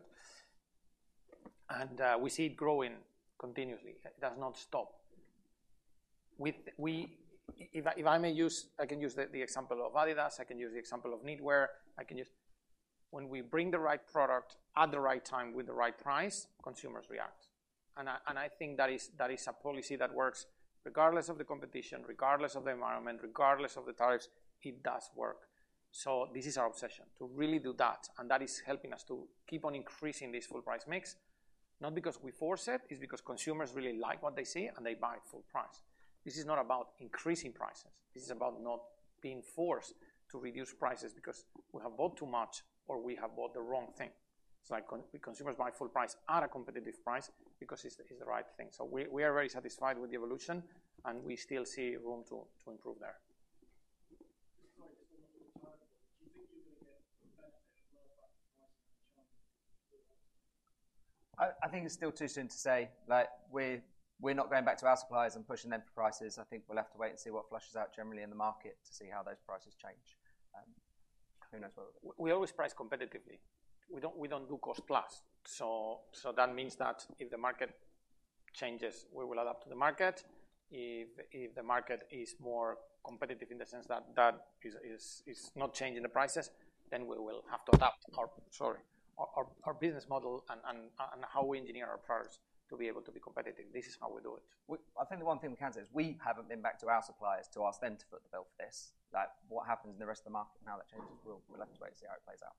We see it growing continuously. It does not stop. If I can use the example of Adidas, I can use the example of knitwear. When we bring the right product at the right time with the right price, consumers react. I think that is a policy that works regardless of the competition, regardless of the environment, regardless of the tariffs. It does work. This is our obsession to really do that. That is helping us to keep on increasing this full price mix, not because we force it. It's because consumers really like what they see, and they buy full price. This is not about increasing prices. This is about not being forced to reduce prices because we have bought too much or we have bought the wrong thing. It's like consumers buy full price at a competitive price because it's the right thing. We are very satisfied with the evolution, and we still see room to improve there. I think it's still too soon to say that we're not going back to our suppliers and pushing them for prices. I think we'll have to wait and see what flushes out generally in the market to see how those prices change. Who knows where we'll go. We always price competitively. We don't do cost-plus. That means that if the market changes, we will adapt to the market. If the market is more competitive in the sense that it's not changing the prices, then we will have to adapt our business model and how we engineer our products to be able to be competitive. This is how we do it. I think the one thing we can say is we haven't been back to our suppliers to ask them to foot the bill for this. What happens in the rest of the market now that changes, we'll have to wait and see how it plays out.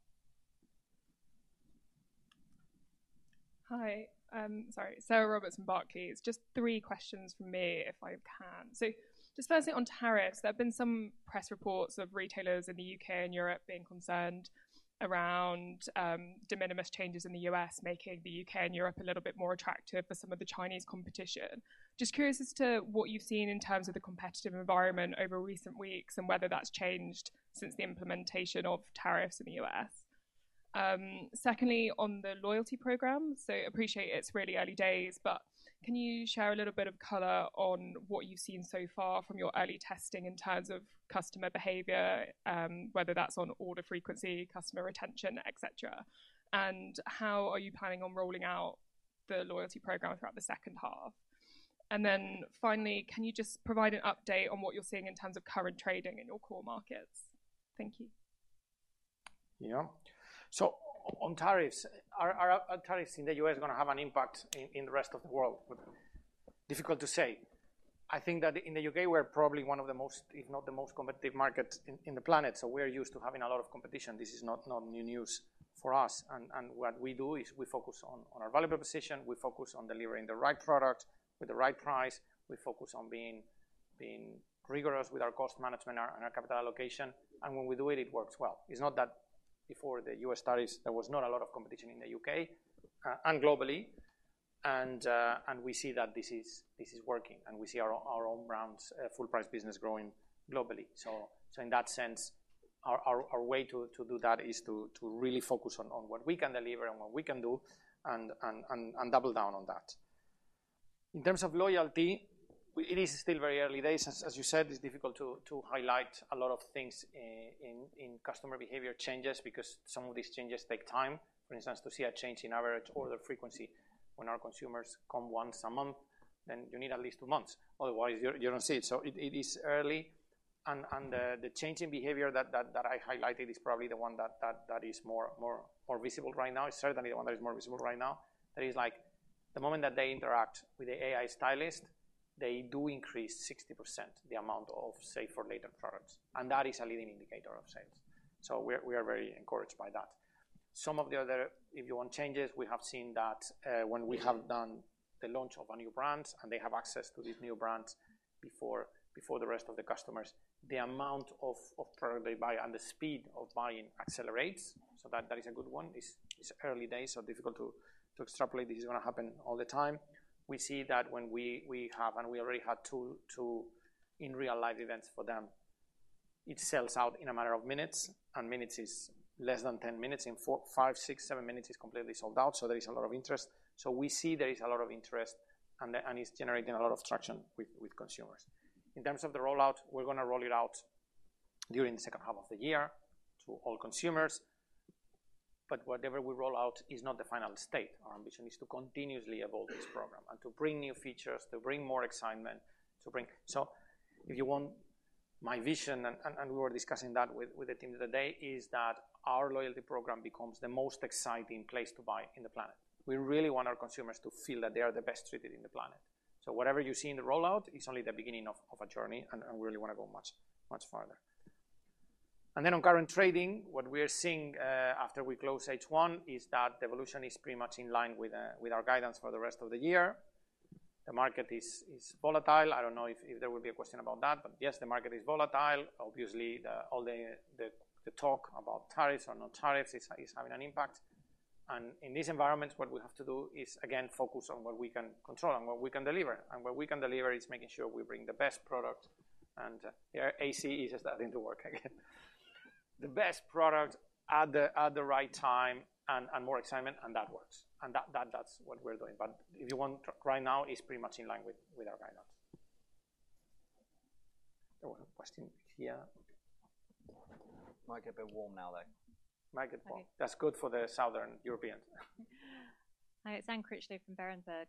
Hi. Sorry, Sarah Roberts from Barclays. Just three questions from me if I can. Just firstly on tariffs, there have been some press reports of retailers in the U.K. and Europe being concerned around de minimis changes in the U.S. making the U.K. and Europe a little bit more attractive for some of the Chinese competition. Just curious as to what you've seen in terms of the competitive environment over recent weeks and whether that's changed since the implementation of tariffs in the U.S. Secondly, on the loyalty program, so appreciate it's really early days, but can you share a little bit of color on what you've seen so far from your early testing in terms of customer behavior, whether that's on order frequency, customer retention, etc.? How are you planning on rolling out the loyalty program throughout the second half? Finally, can you just provide an update on what you're seeing in terms of current trading in your core markets? Thank you. Yeah. On tariffs, are tariffs in the U.S. going to have an impact in the rest of the world? Difficult to say. I think that in the U.K., we're probably one of the most, if not the most competitive markets in the planet. We're used to having a lot of competition. This is not new news for us. What we do is we focus on our value proposition. We focus on delivering the right product with the right price. We focus on being rigorous with our cost management and our capital allocation. When we do it, it works well. It's not that before the U.S. tariffs, there was not a lot of competition in the U.K. and globally. We see that this is working. We see our own brand's full price business growing globally. In that sense, our way to do that is to really focus on what we can deliver and what we can do and double down on that. In terms of loyalty, it is still very early days. As you said, it's difficult to highlight a lot of things in customer behavior changes because some of these changes take time. For instance, to see a change in average order frequency when our consumers come once a month, you need at least two months. Otherwise, you don't see it. It is early. The changing behavior that I highlighted is probably the one that is more visible right now. It's certainly the one that is more visible right now. That is, the moment that they interact with the AI Stylist, they do increase 60% the amount of, Save for Later products. That is a leading indicator of sales. We are very encouraged by that. Some of the other, if you want, changes, we have seen that when we have done the launch of a new brand and they have access to this new brand before the rest of the customers, the amount of product they buy and the speed of buying accelerates. That is a good one. It's early days, so difficult to extrapolate this is going to happen all the time. We see that when we have, and we already had, two in real-life events for them, it sells out in a matter of minutes. Minutes is less than 10 minutes. In five, six, seven minutes, it's completely sold out. There is a lot of interest. We see there is a lot of interest, and it's generating a lot of traction with consumers. In terms of the rollout, we're going to roll it out during the second half of the year to all consumers. Whatever we roll out is not the final state. Our ambition is to continuously evolve this program and to bring new features, to bring more excitement. If you want, my vision, and we were discussing that with the team the other day, is that our loyalty program becomes the most exciting place to buy in the planet. We really want our consumers to feel that they are the best treated in the planet. Whatever you see in the rollout is only the beginning of a journey, and we really want to go much, much farther. On current trading, what we are seeing after we close H1 is that the evolution is pretty much in line with our guidance for the rest of the year. The market is volatile. I don't know if there will be a question about that, but yes, the market is volatile. Obviously, all the talk about tariffs or no tariffs is having an impact. In these environments, what we have to do is, again, focus on what we can control and what we can deliver. What we can deliver is making sure we bring the best product. AC is starting to work again. The best product at the right time and more excitement, and that works. That's what we're doing. If you want, right now, it's pretty much in line with our guidance. There was a question here. Might get a bit warm now, though. Might get warm. That's good for the Southern Europeans. Hi, it's Anne Critchlow from Berenberg.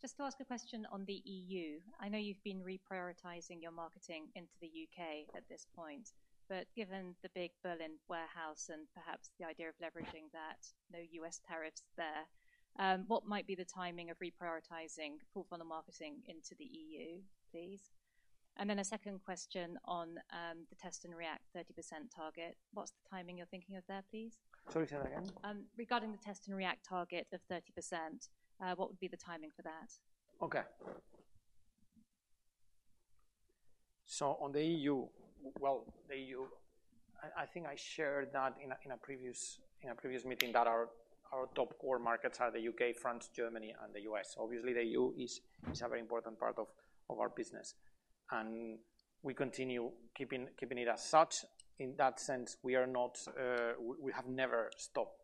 Just to ask a question on the EU. I know you've been reprioritizing your marketing into the U.K. at this point, but given the big Berlin warehouse and perhaps the idea of leveraging that, no U.S. tariffs there, what might be the timing of reprioritizing full-funnel marketing into the EU, please? And then a second question on the Test and React 30% target. What's the timing you're thinking of there, please? Sorry, say that again. Regarding the Test and React target of 30%, what would be the timing for that? Okay. On the EU, the EU, I think I shared that in a previous meeting that our top core markets are the U.K., France, Germany, and the U.S. Obviously, the EU is a very important part of our business. We continue keeping it as such. In that sense, we have never stopped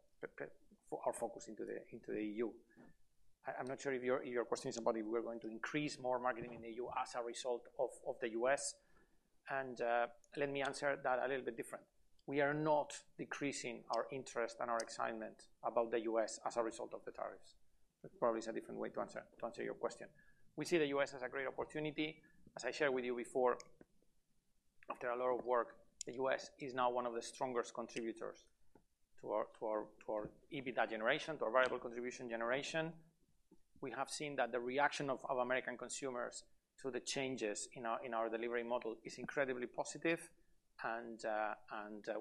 our focus into the EU. I'm not sure if your question is about if we're going to increase more marketing in the EU as a result of the U.S. Let me answer that a little bit different. We are not decreasing our interest and our excitement about the U.S. as a result of the tariffs. That probably is a different way to answer your question. We see the U.S. as a great opportunity. As I shared with you before, after a lot of work, the U.S. is now one of the strongest contributors to our EBITDA generation, to our variable contribution generation. We have seen that the reaction of American consumers to the changes in our delivery model is incredibly positive.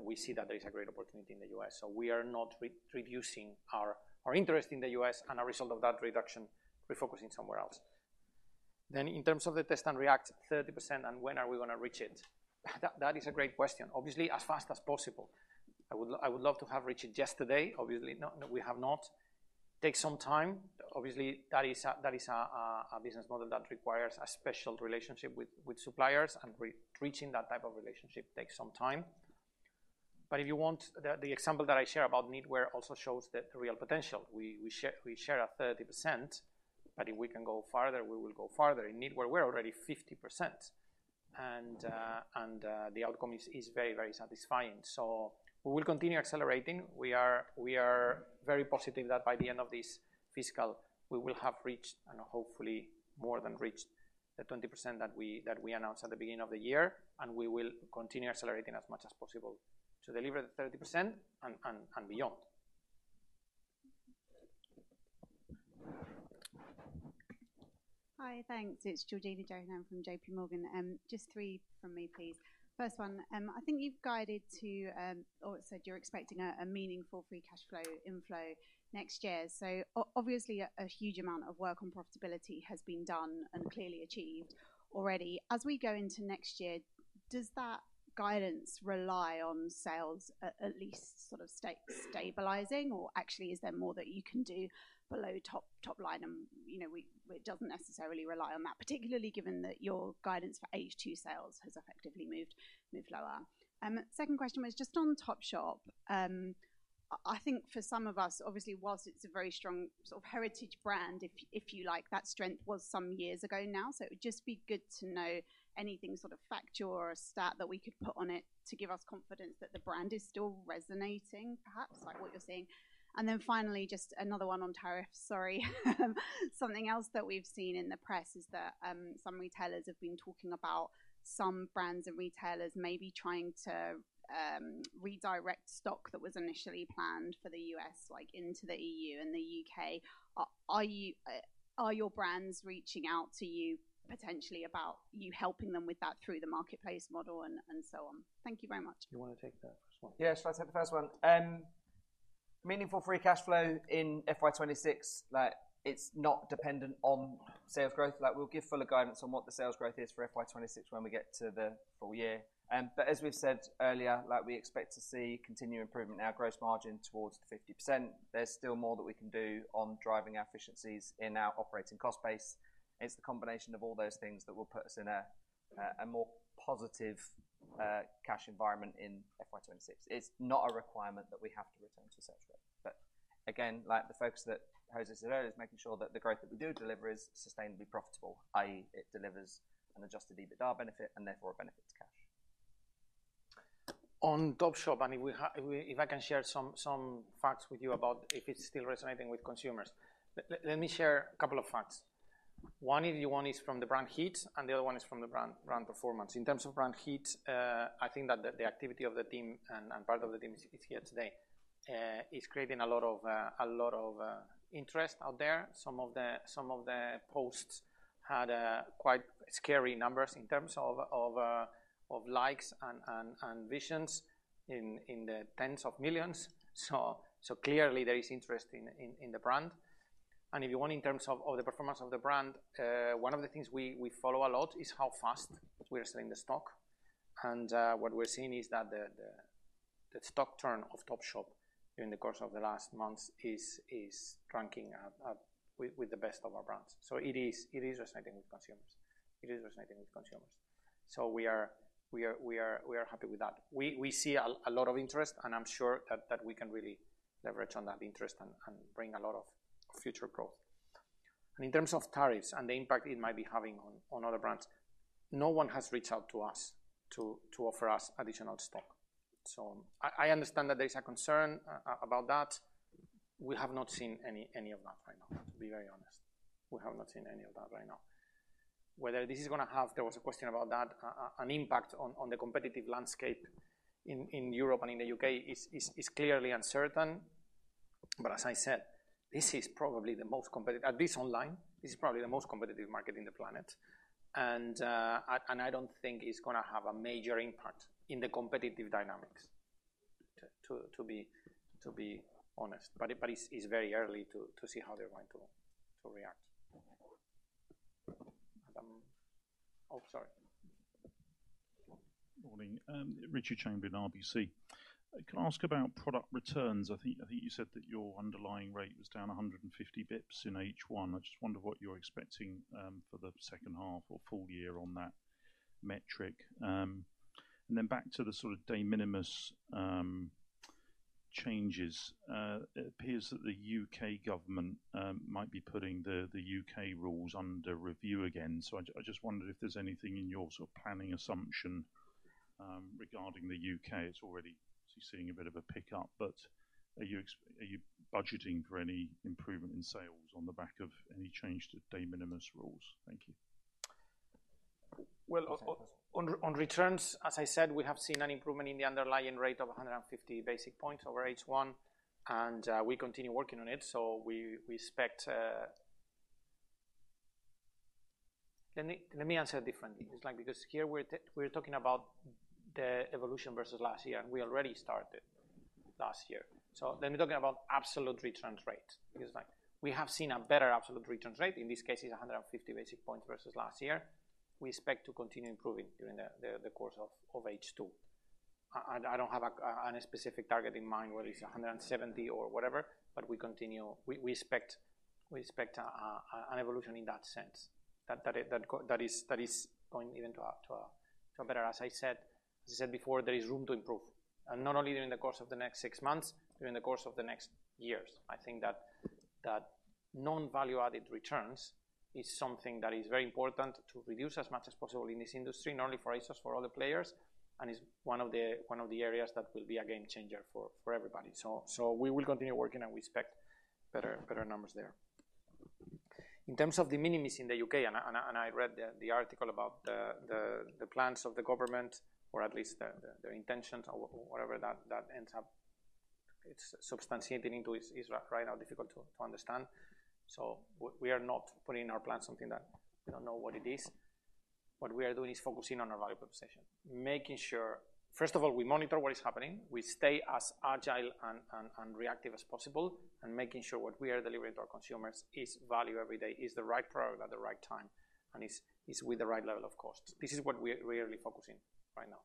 We see that there is a great opportunity in the U.S. We are not reducing our interest in the U.S., and as a result of that reduction, we're focusing somewhere else. In terms of the Test and React 30%, and when are we going to reach it? That is a great question. Obviously, as fast as possible. I would love to have reached it yesterday. Obviously, we have not. It takes some time. Obviously, that is a business model that requires a special relationship with suppliers. Reaching that type of relationship takes some time. If you want, the example that I share about knitwear also shows the real potential. We share a 30%, but if we can go farther, we will go farther. In knitwear, we're already 50%. The outcome is very, very satisfying. We will continue accelerating. We are very positive that by the end of this fiscal, we will have reached, and hopefully more than reached, the 20% that we announced at the beginning of the year. We will continue accelerating as much as possible to deliver the 30% and beyond. Hi, thanks. It's Georgina Johanan from J.P. Morgan. Just three from me, please. First one, I think you've guided to, or said you're expecting a meaningful free cash flow inflow next year. Obviously, a huge amount of work on profitability has been done and clearly achieved already. As we go into next year, does that guidance rely on sales at least sort of stabilizing? Or actually, is there more that you can do below top line? It doesn't necessarily rely on that, particularly given that your guidance for H2 sales has effectively moved lower. Second question was just on Topshop. I think for some of us, obviously, whilst it's a very strong sort of heritage brand, if you like, that strength was some years ago now. It would just be good to know anything sort of factual or a stat that we could put on it to give us confidence that the brand is still resonating, perhaps, like what you're seeing. Finally, just another one on tariffs, sorry. Something else that we've seen in the press is that some retailers have been talking about some brands and retailers maybe trying to redirect stock that was initially planned for the U.S. into the EU and the U.K. Are your brands reaching out to you potentially about you helping them with that through the marketplace model and so on? Thank you very much. You want to take that first one? Yeah, should I take the first one? Meaningful free cash flow in FY2026, it's not dependent on sales growth. We'll give full guidance on what the sales growth is for FY2026 when we get to the full year. As we've said earlier, we expect to see continued improvement in our gross margin towards the 50%. There's still more that we can do on driving our efficiencies in our operating cost base. It's the combination of all those things that will put us in a more positive cash environment in FY2026. It's not a requirement that we have to return to such growth. Again, the focus that José said earlier is making sure that the growth that we do deliver is sustainably profitable, i.e., it delivers an adjusted EBITDA benefit and therefore a benefit to cash. On Topshop, if I can share some facts with you about if it's still resonating with consumers. Let me share a couple of facts. One of the ones is from the brand heat, and the other one is from the brand performance. In terms of brand heat, I think that the activity of the team and part of the team is here today is creating a lot of interest out there. Some of the posts had quite scary numbers in terms of likes and visions in the tens of millions. Clearly, there is interest in the brand. If you want, in terms of the performance of the brand, one of the things we follow a lot is how fast we are selling the stock. What we're seeing is that the stock turn of Topshop during the course of the last months is ranking with the best of our brands. It is resonating with consumers. It is resonating with consumers. We are happy with that. We see a lot of interest, and I'm sure that we can really leverage on that interest and bring a lot of future growth. In terms of tariffs and the impact it might be having on other brands, no one has reached out to us to offer us additional stock. I understand that there is a concern about that. We have not seen any of that right now, to be very honest. We have not seen any of that right now. Whether this is going to have, there was a question about that, an impact on the competitive landscape in Europe and in the U.K. is clearly uncertain. As I said, this is probably the most competitive, at least online, this is probably the most competitive market in the planet. I do not think it is going to have a major impact in the competitive dynamics, to be honest. It is very early to see how they are going to react. Oh, sorry. Morning. Richard Chamberlain RBC. Can I ask about product returns? I think you said that your underlying rate was down 150 basis points in H1. I just wonder what you are expecting for the second half or full year on that metric. Back to the sort of de minimis changes. It appears that the U.K. government might be putting the U.K. rules under review again. I just wondered if there is anything in your sort of planning assumption regarding the U.K. It is already seeing a bit of a pickup, but are you budgeting for any improvement in sales on the back of any change to de minimis rules? Thank you. On returns, as I said, we have seen an improvement in the underlying rate of 150 basis points over H1. We continue working on it. We expect, let me answer it differently. It's like because here we're talking about the evolution versus last year, and we already started last year. Let me talk about absolute returns rate. We have seen a better absolute returns rate. In this case, it's 150 basis points versus last year. We expect to continue improving during the course of H2. I don't have a specific target in mind, whether it's 170 or whatever, but we expect an evolution in that sense that is going even to a better. As I said before, there is room to improve. Not only during the course of the next six months, during the course of the next years. I think that non-value-added returns is something that is very important to reduce as much as possible in this industry, not only for ASOS, for all the players. It is one of the areas that will be a game changer for everybody. We will continue working, and we expect better numbers there. In terms of de minimis in the U.K., and I read the article about the plans of the government, or at least their intentions, or whatever that ends up substantiating into is right now difficult to understand. We are not putting in our plans something that we do not know what it is. What we are doing is focusing on our value proposition, making sure, first of all, we monitor what is happening. We stay as agile and reactive as possible, and making sure what we are delivering to our consumers is value every day, is the right product at the right time, and is with the right level of cost. This is what we're really focusing on right now.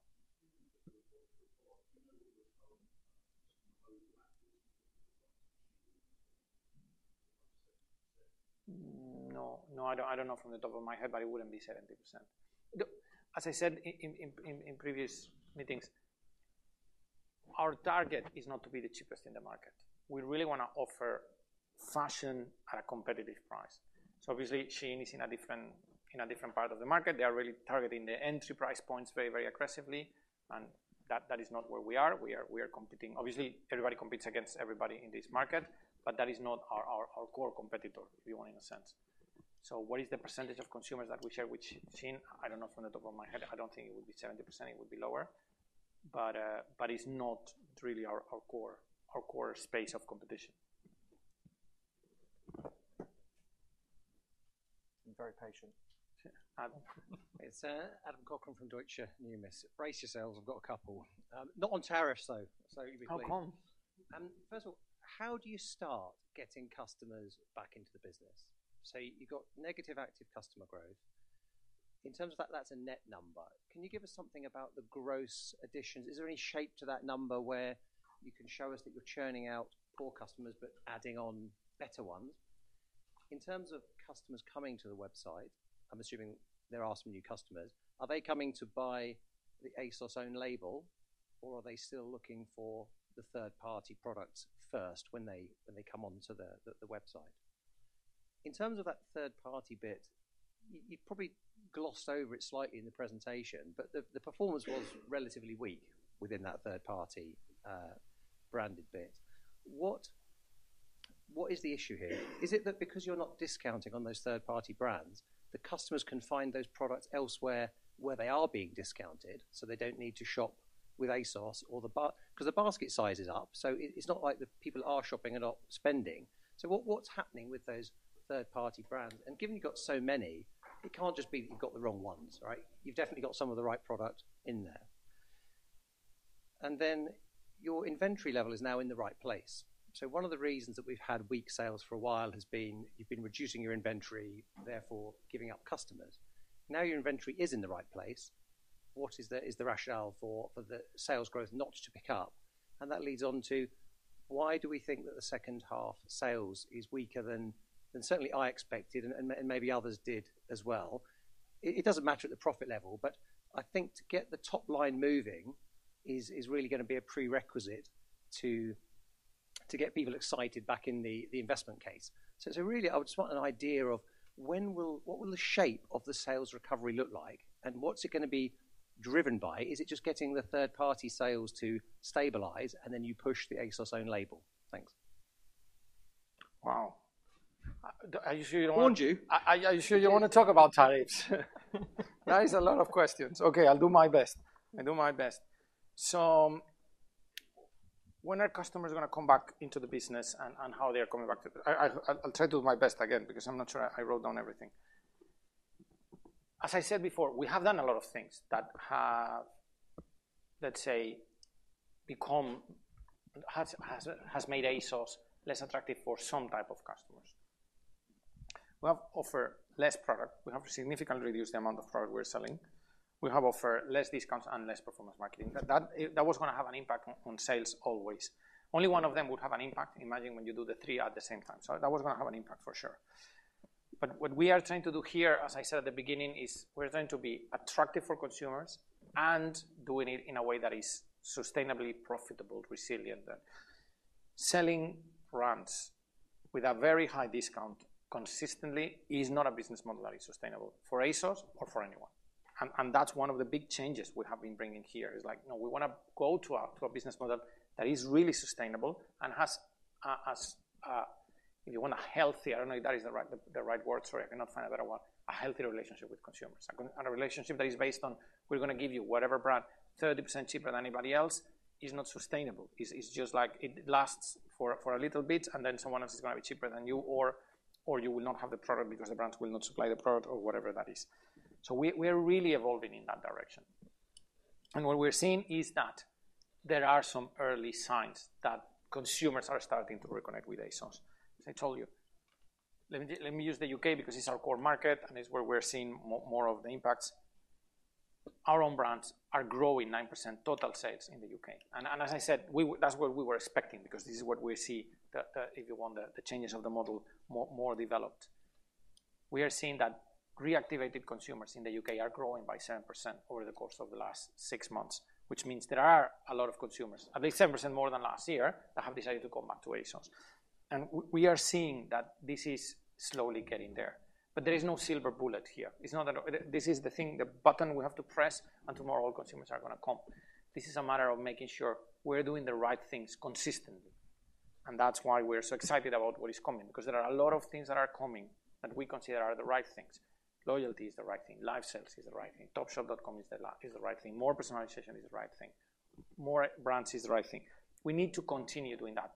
No, I don't know from the top of my head, but it wouldn't be 70%. As I said in previous meetings, our target is not to be the cheapest in the market. We really want to offer fashion at a competitive price. Obviously, Shein is in a different part of the market. They are really targeting the entry price points very, very aggressively. That is not where we are. We are competing. Obviously, everybody competes against everybody in this market, but that is not our core competitor, if you want, in a sense. What is the percentage of consumers that we share with Shein? I don't know from the top of my head. I don't think it would be 70%. It would be lower. It's not really our core space of competition. Very patient. Adam Cochrane from Deutsche Numis. Brace yourselves. I've got a couple. Not on tariffs, though. You'll be clear. How come? First of all, how do you start getting customers back into the business? You've got negative active customer growth. In terms of that, that's a net number. Can you give us something about the gross additions? Is there any shape to that number where you can show us that you're churning out poor customers but adding on better ones? In terms of customers coming to the website, I'm assuming there are some new customers. Are they coming to buy the ASOS own label, or are they still looking for the third-party products first when they come onto the website? In terms of that third-party bit, you probably glossed over it slightly in the presentation, but the performance was relatively weak within that third-party branded bit. What is the issue here? Is it that because you're not discounting on those third-party brands, the customers can find those products elsewhere where they are being discounted, so they don't need to shop with ASOS? Because the basket size is up, so it's not like the people are shopping and not spending. What's happening with those third-party brands? Given you've got so many, it can't just be that you've got the wrong ones, right? You've definitely got some of the right product in there. Your inventory level is now in the right place. One of the reasons that we've had weak sales for a while has been you've been reducing your inventory, therefore giving up customers. Now your inventory is in the right place. What is the rationale for the sales growth not to pick up? That leads on to why do we think that the second half sales is weaker than certainly I expected, and maybe others did as well. It does not matter at the profit level, but I think to get the top line moving is really going to be a prerequisite to get people excited back in the investment case. It is really just an idea of what will the shape of the sales recovery look like, and what is it going to be driven by? Is it just getting the third-party sales to stabilize, and then you push the ASOS own label? Thanks. Wow. Are you sure you don't want? Warned you. Are you sure you don't want to talk about tariffs? That is a lot of questions. Okay, I'll do my best. I'll do my best. When are customers going to come back into the business and how they are coming back to the business? I'll try to do my best again because I'm not sure I wrote down everything. As I said before, we have done a lot of things that have, let's say, made ASOS less attractive for some type of customers. We have offered less product. We have significantly reduced the amount of product we're selling. We have offered less discounts and less performance marketing. That was going to have an impact on sales always. Only one of them would have an impact. Imagine when you do the three at the same time. That was going to have an impact for sure. What we are trying to do here, as I said at the beginning, is we're trying to be attractive for consumers and doing it in a way that is sustainably profitable, resilient. Selling brands with a very high discount consistently is not a business model that is sustainable for ASOS or for anyone. That is one of the big changes we have been bringing here. It's like, no, we want to go to a business model that is really sustainable and has, if you want, a healthy—I don't know if that is the right word. Sorry, I cannot find a better word—a healthy relationship with consumers. A relationship that is based on, "We're going to give you whatever brand, 30% cheaper than anybody else," is not sustainable. It's just like it lasts for a little bit, and then someone else is going to be cheaper than you, or you will not have the product because the brands will not supply the product or whatever that is. We are really evolving in that direction. What we're seeing is that there are some early signs that consumers are starting to reconnect with ASOS. As I told you, let me use the U.K. because it's our core market, and it's where we're seeing more of the impacts. Our own brands are growing 9% total sales in the U.K. As I said, that's what we were expecting because this is what we see if you want the changes of the model more developed. We are seeing that reactivated consumers in the U.K. are growing by 7% over the course of the last six months, which means there are a lot of consumers, at least 7% more than last year, that have decided to come back to ASOS. We are seeing that this is slowly getting there. There is no silver bullet here. This is the thing, the button we have to press, and tomorrow all consumers are going to come. This is a matter of making sure we're doing the right things consistently. That is why we're so excited about what is coming because there are a lot of things that are coming that we consider are the right things. Loyalty is the right thing. Live sales is the right thing. Topshop.com is the right thing. More personalization is the right thing. More brands is the right thing. We need to continue doing that.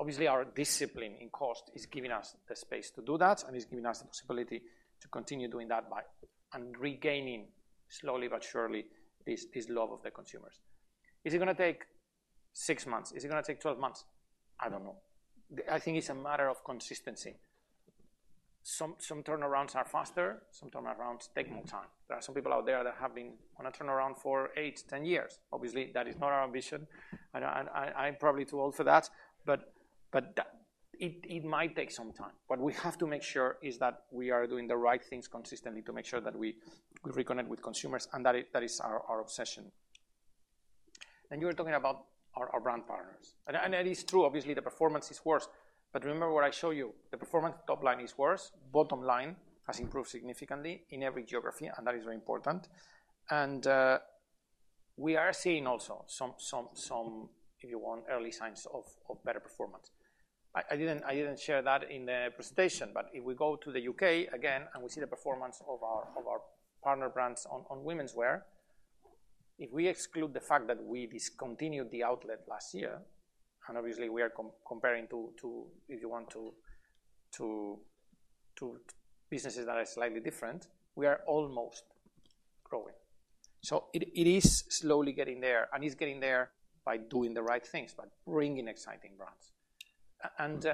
Obviously, our discipline in cost is giving us the space to do that, and it's giving us the possibility to continue doing that by regaining slowly but surely this love of the consumers. Is it going to take six months? Is it going to take 12 months? I don't know. I think it's a matter of consistency. Some turnarounds are faster. Some turnarounds take more time. There are some people out there that have been on a turnaround for 8-10 years. Obviously, that is not our ambition. I'm probably too old for that, but it might take some time. What we have to make sure is that we are doing the right things consistently to make sure that we reconnect with consumers, and that is our obsession. You were talking about our brand partners. That is true. Obviously, the performance is worse. Remember what I showed you. The performance top line is worse. Bottom line has improved significantly in every geography, and that is very important. We are seeing also some, if you want, early signs of better performance. I did not share that in the presentation, but if we go to the U.K. again and we see the performance of our partner brands on womenswear, if we exclude the fact that we discontinued the outlet last year, and obviously, we are comparing to, if you want, to businesses that are slightly different, we are almost growing. It is slowly getting there, and it is getting there by doing the right things, by bringing exciting brands.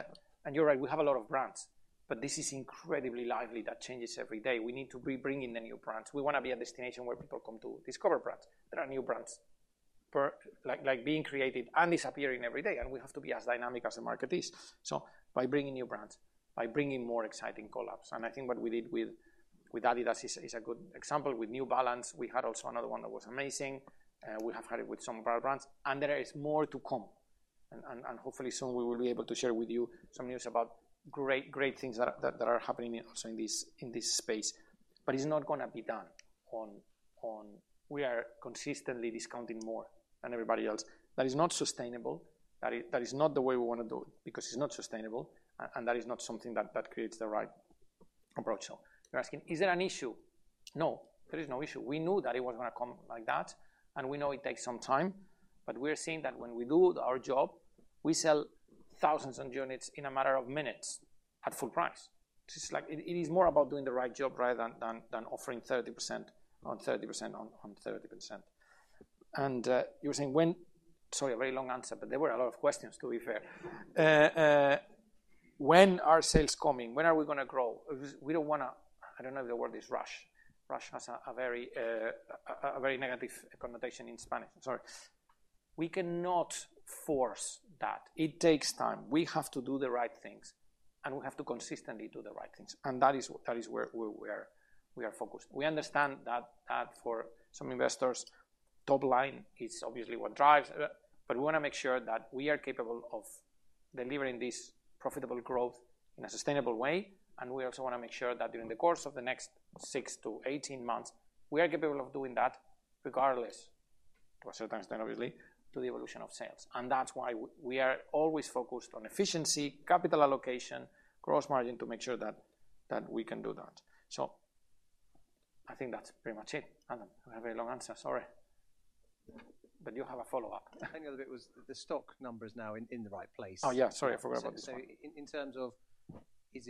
You are right. We have a lot of brands, but this is incredibly lively. That changes every day. We need to be bringing the new brands. We want to be a destination where people come to discover brands. There are new brands being created and disappearing every day, and we have to be as dynamic as the market is. By bringing new brands, by bringing more exciting collabs. I think what we did with Adidas is a good example. With New Balance, we had also another one that was amazing. We have had it with some of our brands. There is more to come. Hopefully, soon we will be able to share with you some news about great things that are happening also in this space. It is not going to be done on we are consistently discounting more than everybody else. That is not sustainable. That is not the way we want to do it because it is not sustainable, and that is not something that creates the right approach. You are asking, is there an issue? No, there is no issue. We knew that it was going to come like that, and we know it takes some time. We are seeing that when we do our job, we sell thousands of units in a matter of minutes at full price. It is more about doing the right job rather than offering 30% on 30% on 30%. You were saying when—sorry, a very long answer, but there were a lot of questions, to be fair. When are sales coming? When are we going to grow? We do not want to—I do not know if the word is rush. Rush has a very negative connotation in Spanish. Sorry. We cannot force that. It takes time. We have to do the right things, and we have to consistently do the right things. That is where we are focused. We understand that for some investors, top line is obviously what drives. We want to make sure that we are capable of delivering this profitable growth in a sustainable way. We also want to make sure that during the course of the next 6 to 18 months, we are capable of doing that regardless, to a certain extent, obviously, to the evolution of sales. That is why we are always focused on efficiency, capital allocation, gross margin to make sure that we can do that. I think that is pretty much it. I do not have a very long answer. Sorry. You have a follow-up. I think the stock number is now in the right place. Oh, yeah. Sorry, I forgot about this. In terms of, is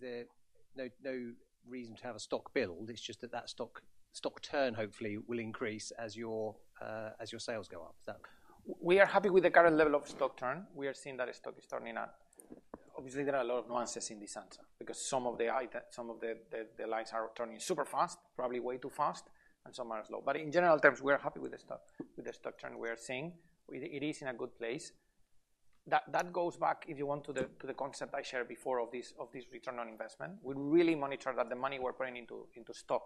there no reason to have a stock build? It's just that that stock turn, hopefully, will increase as your sales go up. We are happy with the current level of stock turn. We are seeing that stock is turning up. Obviously, there are a lot of nuances in this answer because some of the lines are turning super fast, probably way too fast, and some are slow. In general terms, we are happy with the stock turn we are seeing. It is in a good place. That goes back, if you want, to the concept I shared before of this return on investment. We really monitor that the money we're putting into stock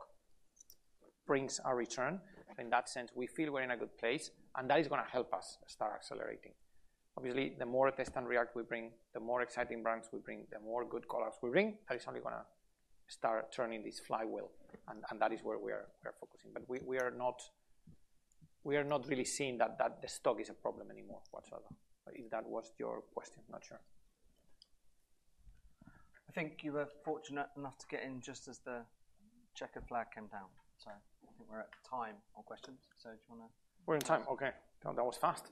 brings a return. In that sense, we feel we're in a good place, and that is going to help us start accelerating. Obviously, the more Test and React we bring, the more exciting brands we bring, the more good collabs we bring, that is only going to start turning this flywheel, and that is where we are focusing. We are not really seeing that the stock is a problem anymore whatsoever. If that was your question, not sure. I think you were fortunate enough to get in just as the chequered flag came down. I think we're at time on questions. Do you want to? We're in time. That was fast.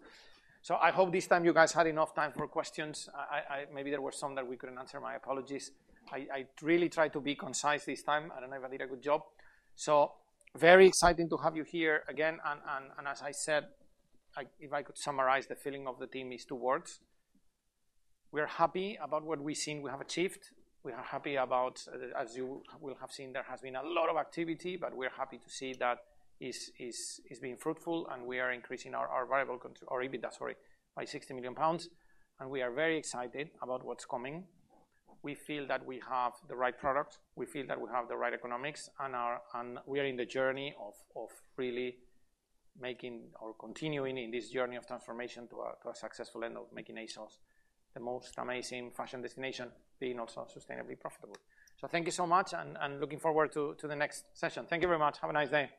I hope this time you guys had enough time for questions. Maybe there were some that we couldn't answer. My apologies. I really tried to be concise this time. I don't know if I did a good job. Very exciting to have you here again. As I said, if I could summarize the feeling of the team in two words, we are happy about what we've seen we have achieved. We are happy about, as you will have seen, there has been a lot of activity, but we are happy to see that it's being fruitful, and we are increasing our variable or EBITDA, sorry, by 60 million pounds. We are very excited about what's coming. We feel that we have the right product. We feel that we have the right economics, and we are in the journey of really making or continuing in this journey of transformation to a successful end of making ASOS the most amazing fashion destination, being also sustainably profitable. Thank you so much, and looking forward to the next session. Thank you very much. Have a nice day.